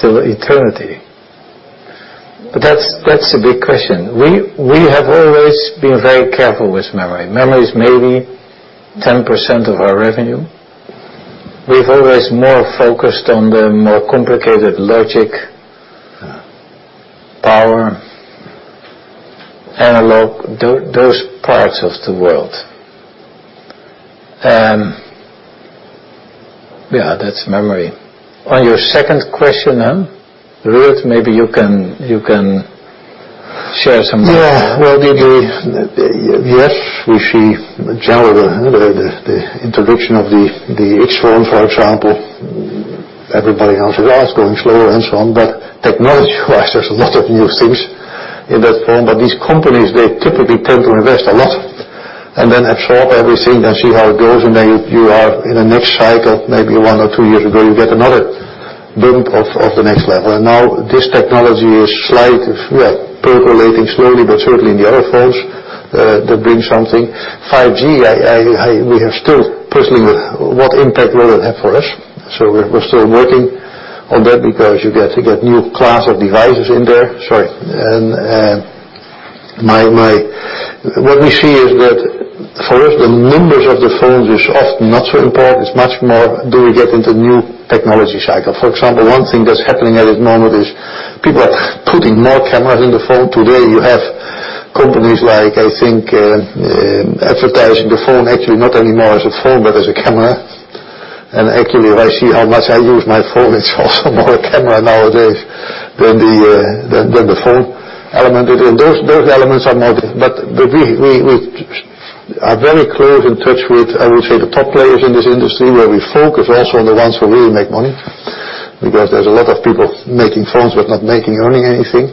till eternity. That's the big question. We have always been very careful with memory. Memory is maybe 10% of our revenue. We've always more focused on the more complicated logic, power, analog, those parts of the world. Yeah, that's memory. On your second question, Ruurd, maybe you can share some light. Well, yes, we see in general the introduction of the iPhone X, for example. Everybody now says, "Oh, it's going slower," and so on. Technology-wise, there's a lot of new things in that phone. These companies, they typically tend to invest a lot, then absorb everything and see how it goes. Then you are in the next cycle, maybe one or two years ago, you get another bump of the next level. Now this technology is percolating slowly but certainly in the other phones that bring something. 5G, we have still personally with what impact will it have for us. We're still working on that because you get new class of devices in there. Sorry. What we see is that for us, the numbers of the phones is often not so important. It's much more, do we get into new technology cycle? For example, one thing that's happening at this moment is people are putting more cameras in the phone. Today, you have companies like, I think, advertising the phone actually not anymore as a phone, but as a camera. Actually, if I see how much I use my phone, it's also more a camera nowadays than the phone element. We are very close in touch with, I would say, the top players in this industry where we focus also on the ones who really make money because there's a lot of people making phones but not earning anything.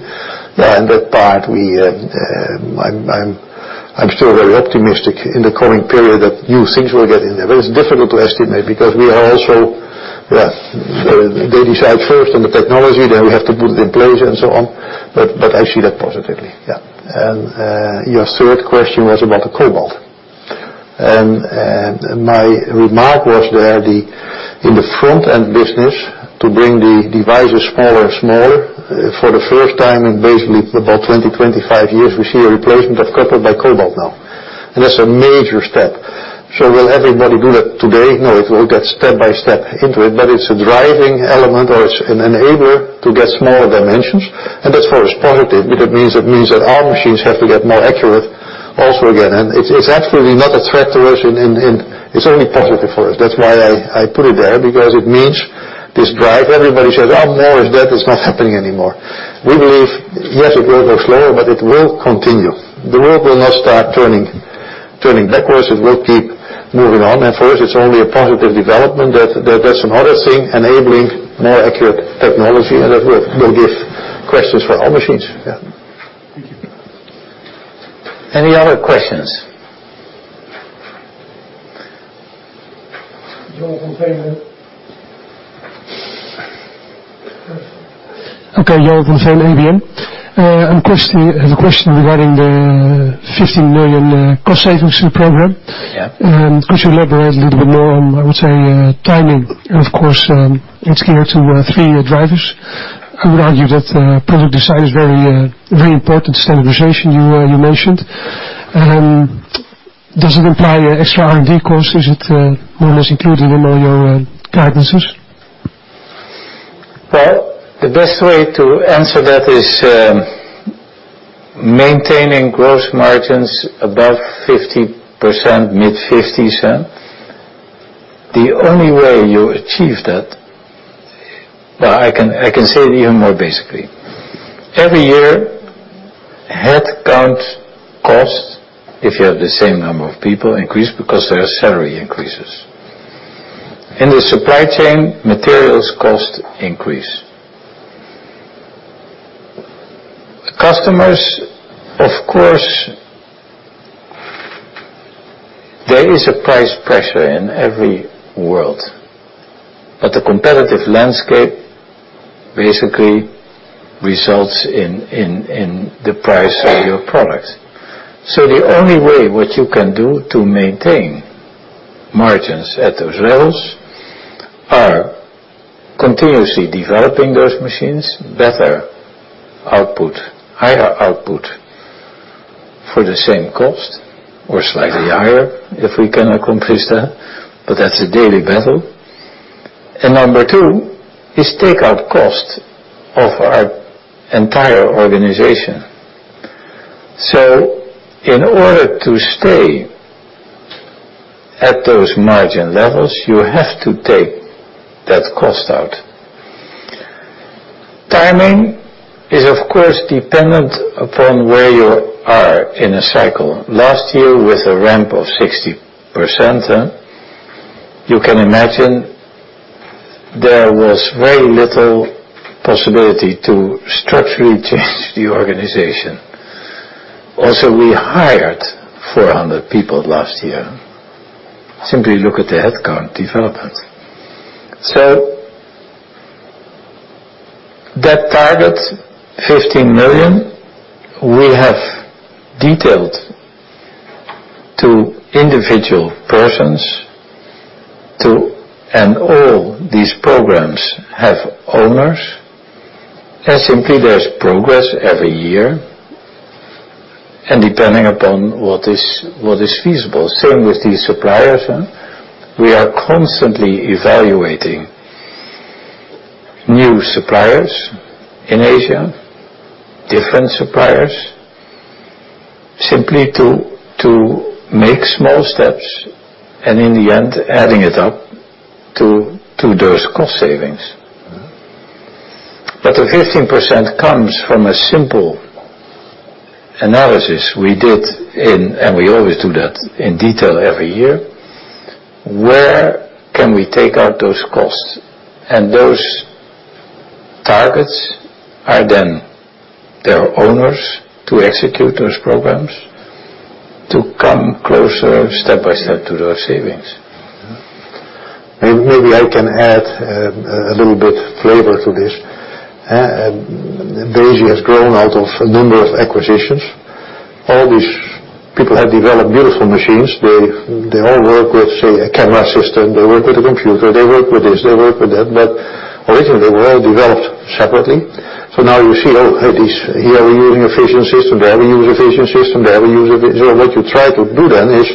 In that part, I'm still very optimistic in the coming period that new things will get in there. It's difficult to estimate because they decide first on the technology, then we have to put in place and so on. I see that positively. Your third question was about the cobalt. My remark was that in the front-end business, to bring the devices smaller and smaller for the first time in basically about 20, 25 years, we see a replacement of copper by cobalt now, and that's a major step. Will everybody do that today? No. It will get step by step into it's a driving element or it's an enabler to get smaller dimensions, and that for us positive. It means that our machines have to get more accurate also again, it's absolutely not a threat to us. It's only positive for us. That's why I put it there, because it means this drive. Everybody says, "Oh, Moore is dead." It's not happening anymore. We believe, yes, it will go slower, it will continue. The world will not start turning backwards. It will keep moving on. For us, it's only a positive development that there's some other thing enabling more accurate technology, and that will give questions for our machines. Thank you. Any other questions? [Jonathan Tame]. Okay. [Jonathan Tame], ABN. I have a question regarding the 15 million cost savings program. Yeah. Could you elaborate a little bit more on, I would say, timing? Of course, it's geared to three drivers. I would argue that product design is very important. Standardization, you mentioned. Does it imply extra R&D costs? Is it more or less included in all your guidances? Well, the best way to answer that is, maintaining gross margins above 50%, mid 50s, the only way you achieve that. Well, I can say it even more basically. Every year, headcount costs, if you have the same number of people, increase because there are salary increases. In the supply chain, materials cost increase. Customers, of course, there is a price pressure in every world, but the competitive landscape basically results in the price of your product. The only way what you can do to maintain margins at those levels are continuously developing those machines, better output, higher output for the same cost or slightly higher if we can accomplish that, but that's a daily battle. Number two is take out cost of our entire organization. In order to stay at those margin levels, you have to take that cost out. Timing is, of course, dependent upon where you are in a cycle. Last year, with a ramp of 60%, you can imagine there was very little possibility to structurally change the organization. Also, we hired 400 people last year. Simply look at the headcount development. That target, 15 million, we have detailed to individual persons, all these programs have owners, simply, there's progress every year and depending upon what is feasible. Same with these suppliers. We are constantly evaluating new suppliers in Asia, different suppliers, simply to make small steps and in the end adding it up to those cost savings. The 15% comes from a simple analysis we did, and we always do that in detail every year. Where can we take out those costs? Those targets are then, there are owners to execute those programs to come closer, step by step, to those savings. Maybe I can add a little bit of flavor to this. BE Semiconductor has grown out of a number of acquisitions. All these people have developed beautiful machines. They all work with, say, a camera system. They work with a computer. They work with this, they work with that. Originally, they were all developed separately. Now you see, oh, here we're using a vision system. There we use a vision system. There we use a vision. What you try to do then is,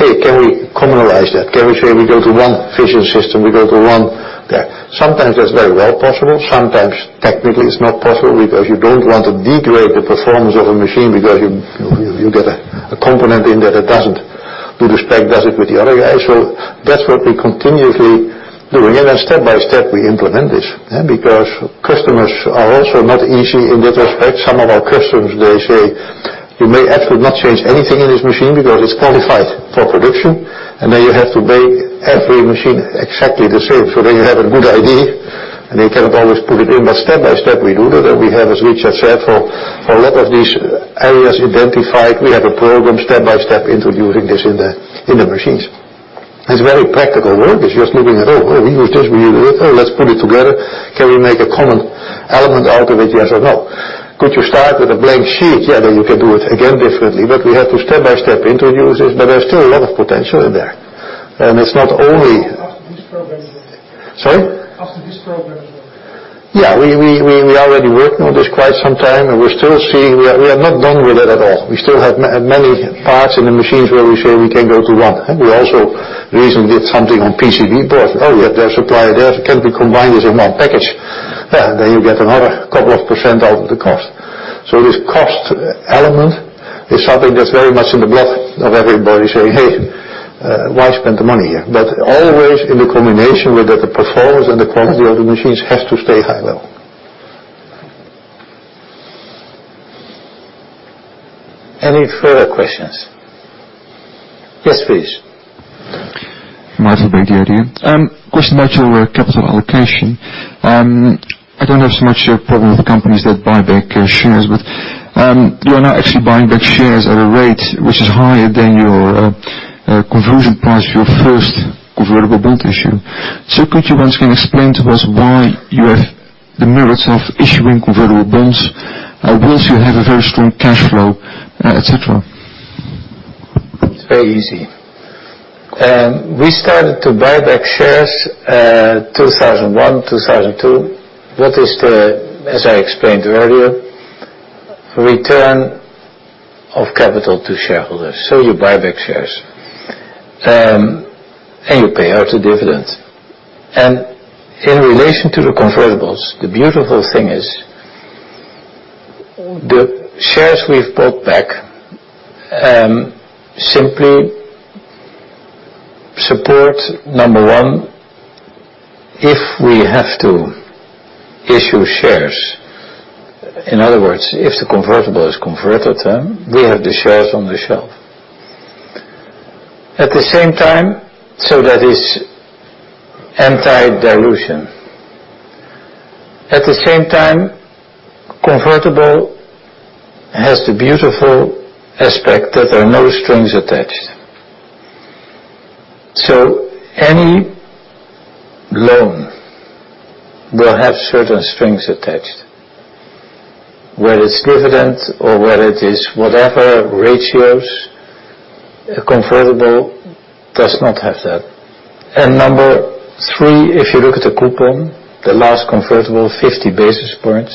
hey, can we commonize that? Can we say we go to one vision system? We go to one there. Sometimes that's very well possible. Sometimes technically it's not possible because you don't want to degrade the performance of a machine because you get a component in there that doesn't do the spec, does it with the other guy. That's what we're continuously doing, and then step by step, we implement this. Customers are also not easy in that respect. Some of our customers, they say, "You may actually not change anything in this machine because it's qualified for production," and then you have to make every machine exactly the same so that you have a good idea. They cannot always put it in. Step by step, we do that, and we have, as Richard said, for a lot of these areas identified, we have a program step by step introducing this in the machines. It's very practical work. It's just looking at, "Oh, well, we use this, we use this. Oh, let's put it together. Can we make a common element out of it, yes or no?" Could you start with a blank sheet? Then you can do it again differently. We have to step by step introduce it, but there's still a lot of potential in there. After this program is over. Sorry? After this program is over. We are already working on this quite some time, we're still seeing. We are not done with it at all. We still have many parts in the machines where we say we can go to one. We also recently did something on PCB board. Their supplier there, it can be combined as in one package. You get another couple of % out of the cost. This cost element is something that's very much in the blood of everybody saying, "Hey, why spend the money here?" Always in the combination with the performance and the quality of the machines has to stay high level. Any further questions? Yes, please. Michael Bagheri. Question about your capital allocation. I don't have so much a problem with companies that buy back shares, you are now actually buying back shares at a rate which is higher than your conversion price for your first convertible bond issue. Could you once again explain to us why you have the merits of issuing convertible bonds once you have a very strong cash flow, et cetera? It's very easy. We started to buy back shares 2001, 2002. That is, as I explained earlier, return of capital to shareholders. You buy back shares, and you pay out a dividend. In relation to the convertibles, the beautiful thing is the shares we've bought back simply support, number 1, if we have to issue shares. In other words, if the convertible is converted, we have the shares on the shelf. That is anti-dilution. At the same time, convertible has the beautiful aspect that there are no strings attached. Any loan will have certain strings attached, whether it's dividend or whether it is whatever ratios, a convertible does not have that. Number 3, if you look at the coupon, the last convertible, 50 basis points,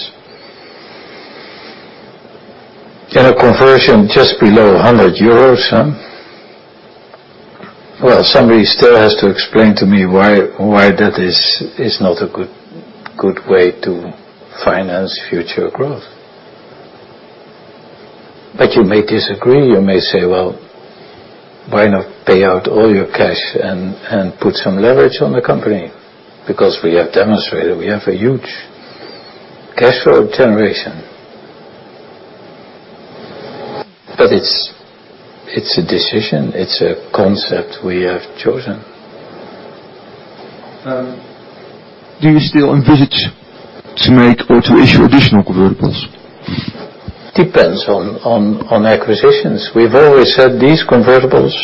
and a conversion just below EUR 100. Somebody still has to explain to me why that is not a good way to finance future growth. You may disagree. You may say, "Well, why not pay out all your cash and put some leverage on the company?" Because we have demonstrated we have a huge cash flow generation. It's a decision. It's a concept we have chosen. Do you still envisage to make or to issue additional convertibles? Depends on acquisitions. We've always said these convertibles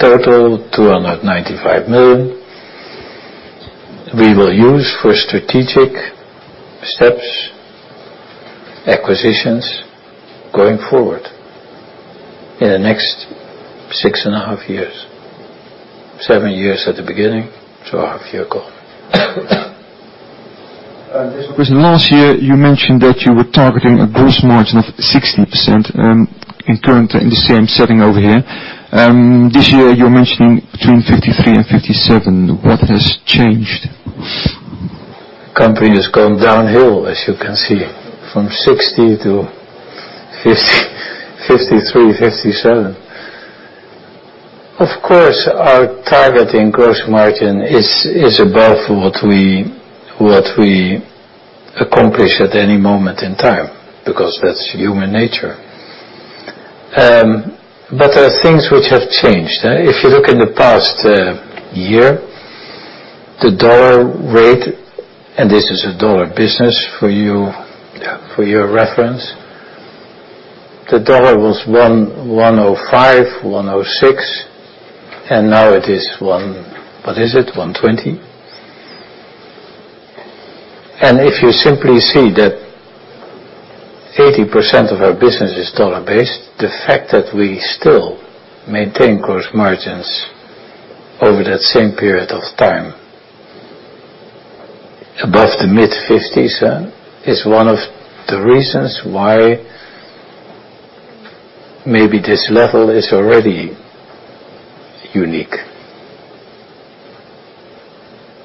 total 295 million. We will use for strategic steps, acquisitions going forward in the next six and a half years. 7 years at the beginning, two and a half year ago. There's a question. Last year, you mentioned that you were targeting a gross margin of 60% in current, in the same setting over here. This year, you're mentioning between 53%-57%. What has changed? Company has gone downhill, as you can see, from 60% to 53%, 57%. Of course, our target in gross margin is above what we accomplish at any moment in time, because that's human nature. There are things which have changed. If you look in the past year, the dollar rate, and this is a dollar business for your reference, the dollar was 105, 106, and now it is 120. If you simply see that 80% of our business is dollar based, the fact that we still maintain gross margins over that same period of time above the mid-50s is one of the reasons why maybe this level is already unique.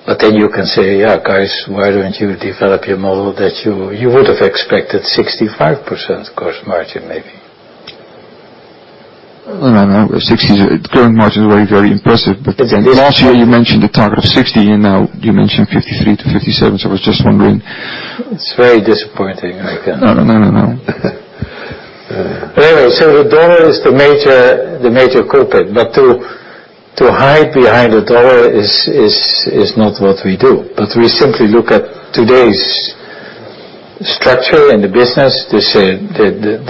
You can say, "Yeah, guys, why don't you develop your model that you would have expected 65% gross margin, maybe. No, no. Current margin is very, very impressive. It is. Last year you mentioned a target of 60%, and now you mention 53%-57%. I was just wondering. It's very disappointing. No, no, no. Anyway, the U.S. dollar is the major culprit, but to hide behind the U.S. dollar is not what we do. We simply look at today's structure and the business, the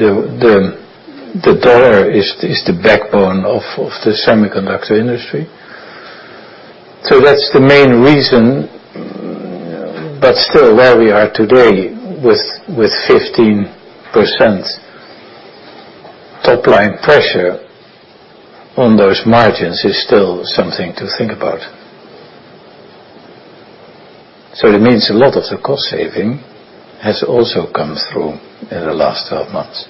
U.S. dollar is the backbone of the semiconductor industry. That's the main reason. Still, where we are today with 15% top-line pressure on those margins is still something to think about. It means a lot of the cost saving has also come through in the last 12 months,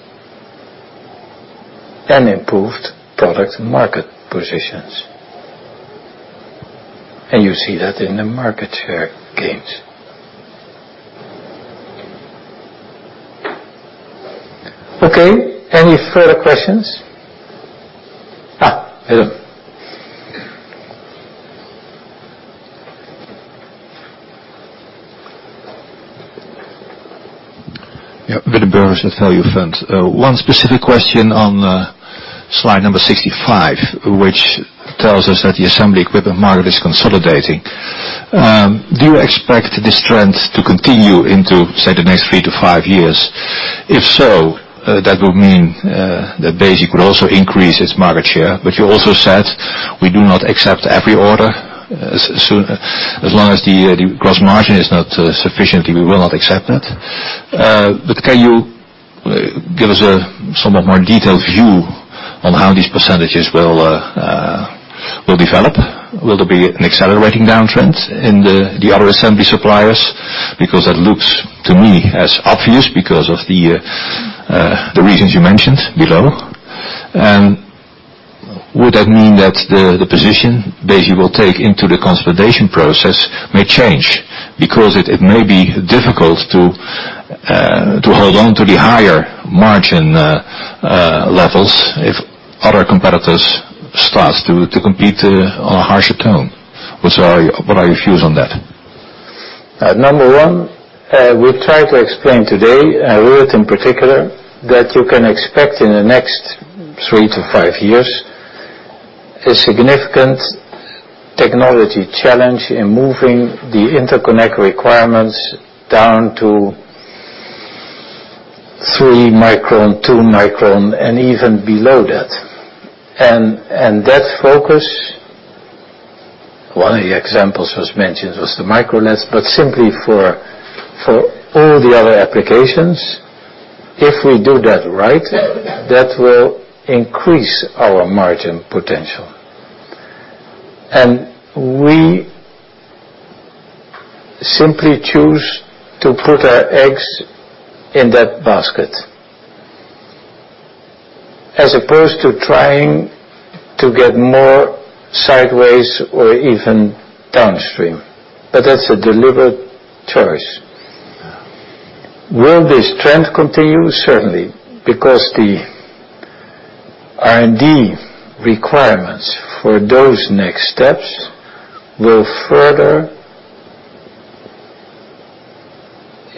and improved product market positions. You see that in the market share gains. Okay, any further questions? Hello. Willem Boers at Value Square. One specific question on slide number 65, which tells us that the assembly equipment market is consolidating. Do you expect this trend to continue into, say, the next 3-5 years? If so, that would mean that Besi could also increase its market share. You also said we do not accept every order. As long as the gross margin is not sufficient, we will not accept that. Can you give us a somewhat more detailed view on how these percentages will develop? Will there be an accelerating downtrend in the other assembly suppliers? That looks to me as obvious because of the reasons you mentioned below. Would that mean that the position Besi will take into the consolidation process may change, because it may be difficult to hold on to the higher margin levels if other competitors start to compete on a harsher tone? What are your views on that? Number 1, we try to explain today, Ruurd in particular, that you can expect in the next three to five years, a significant technology challenge in moving the interconnect requirements down to 3 micron, 2 micron, and even below that. That focus, one of the examples mentioned was the micro lens, but simply for all the other applications, if we do that right, that will increase our margin potential. We simply choose to put our eggs in that basket as opposed to trying to get more sideways or even downstream. That's a deliberate choice. Will this trend continue? Certainly, because the R&D requirements for those next steps will further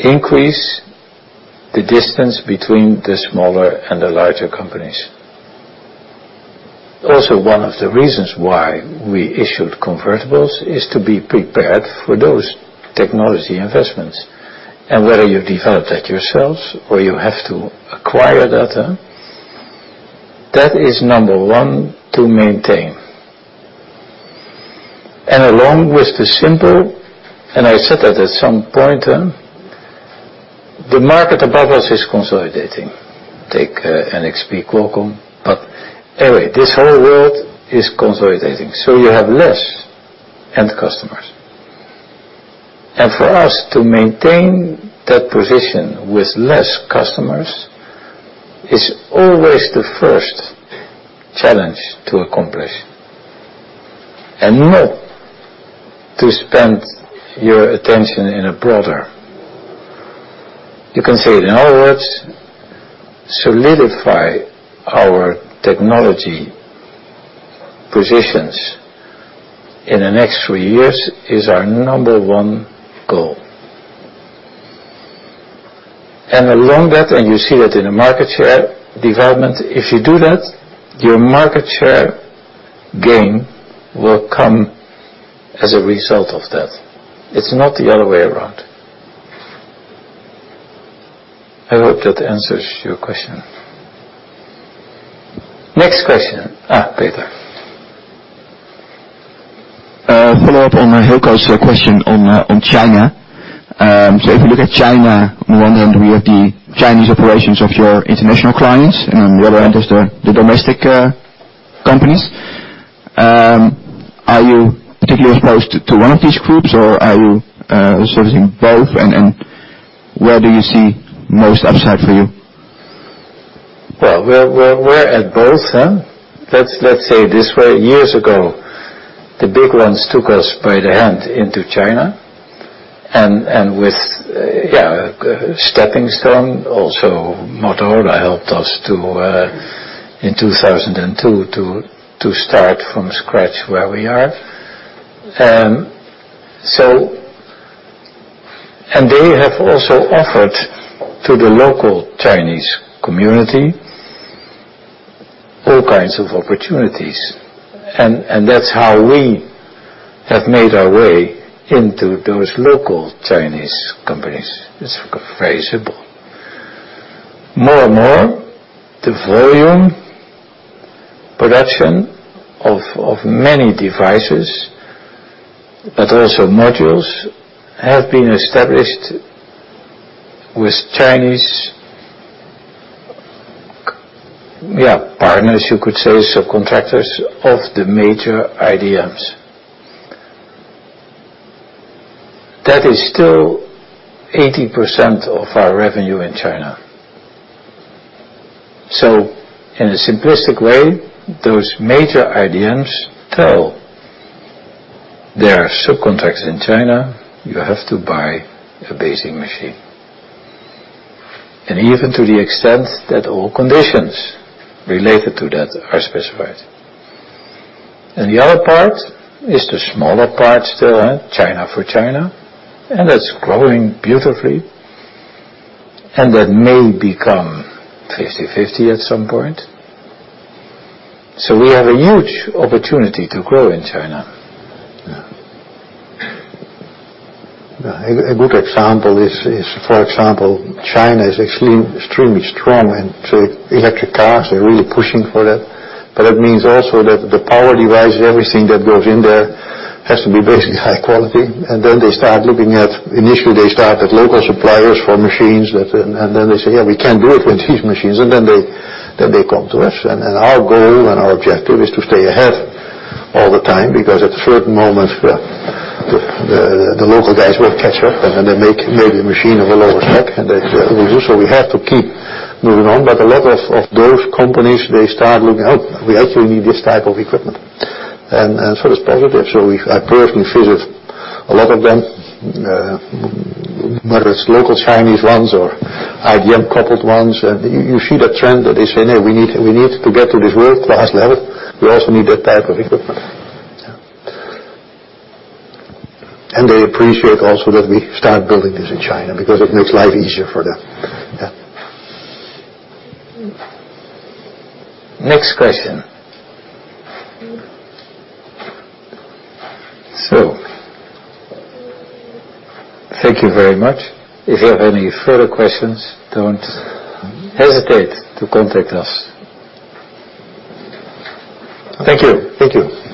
increase the distance between the smaller and the larger companies. One of the reasons why we issued convertibles is to be prepared for those technology investments. Whether you develop that yourselves or you have to acquire data, that is number 1 to maintain. Along with the simple, I said that at some point, the market above us is consolidating. Take NXP, Qualcomm. Anyway, this whole world is consolidating. You have less end customers. For us to maintain that position with less customers, it's always the first challenge to accomplish, and not to spend your attention in a broader. In other words, solidify our technology positions in the next three years is our number 1 goal. Along that, you see that in the market share development, if you do that, your market share gain will come as a result of that. It's not the other way around. I hope that answers your question. Next question. Peter. A follow-up on Hilco's question on China. If you look at China, on the one hand, we have the Chinese operations of your international clients, and on the other hand, there's the domestic companies. Are you particularly exposed to one of these groups, or are you servicing both? Where do you see most upside for you? Well, we're at both. Let's say it this way, years ago, the big ones took us by the hand into China, and with a stepping stone, also Motorola helped us to, in 2002, to start from scratch where we are. They have also offered to the local Chinese community all kinds of opportunities. That's how we have made our way into those local Chinese companies. It's very simple. More and more, the volume production of many devices, but also modules, have been established with Chinese partners, you could say subcontractors of the major IDMs. That is still 80% of our revenue in China. In a simplistic way, those major IDMs tell their subcontractors in China, "You have to buy a Besi machine." Even to the extent that all conditions related to that are specified. The other part is the smaller part still, China for China, and that's growing beautifully, and that may become 50/50 at some point. We have a huge opportunity to grow in China. Yeah. Well, a good example is, for example, China is extremely strong in electric cars. They're really pushing for that. That means also that the power device and everything that goes in there has to be basically high quality. Initially, they start at local suppliers for machines, and then they say, "Yeah, we can't do it with these machines." They come to us. Our goal and our objective is to stay ahead all the time because at a certain moment, the local guys will catch up, and then they make maybe a machine of a lower spec, and they lose. We have to keep moving on. A lot of those companies, they start looking, "Oh, we actually need this type of equipment." That's positive. I personally visit a lot of them, whether it's local Chinese ones or IDM-coupled ones. You see that trend that they say, "Hey, we need to get to this world-class level. We also need that type of equipment. Yeah. They appreciate also that we start building this in China because it makes life easier for them. Yeah. Next question. Thank you very much. If you have any further questions, don't hesitate to contact us. Thank you. Thank you.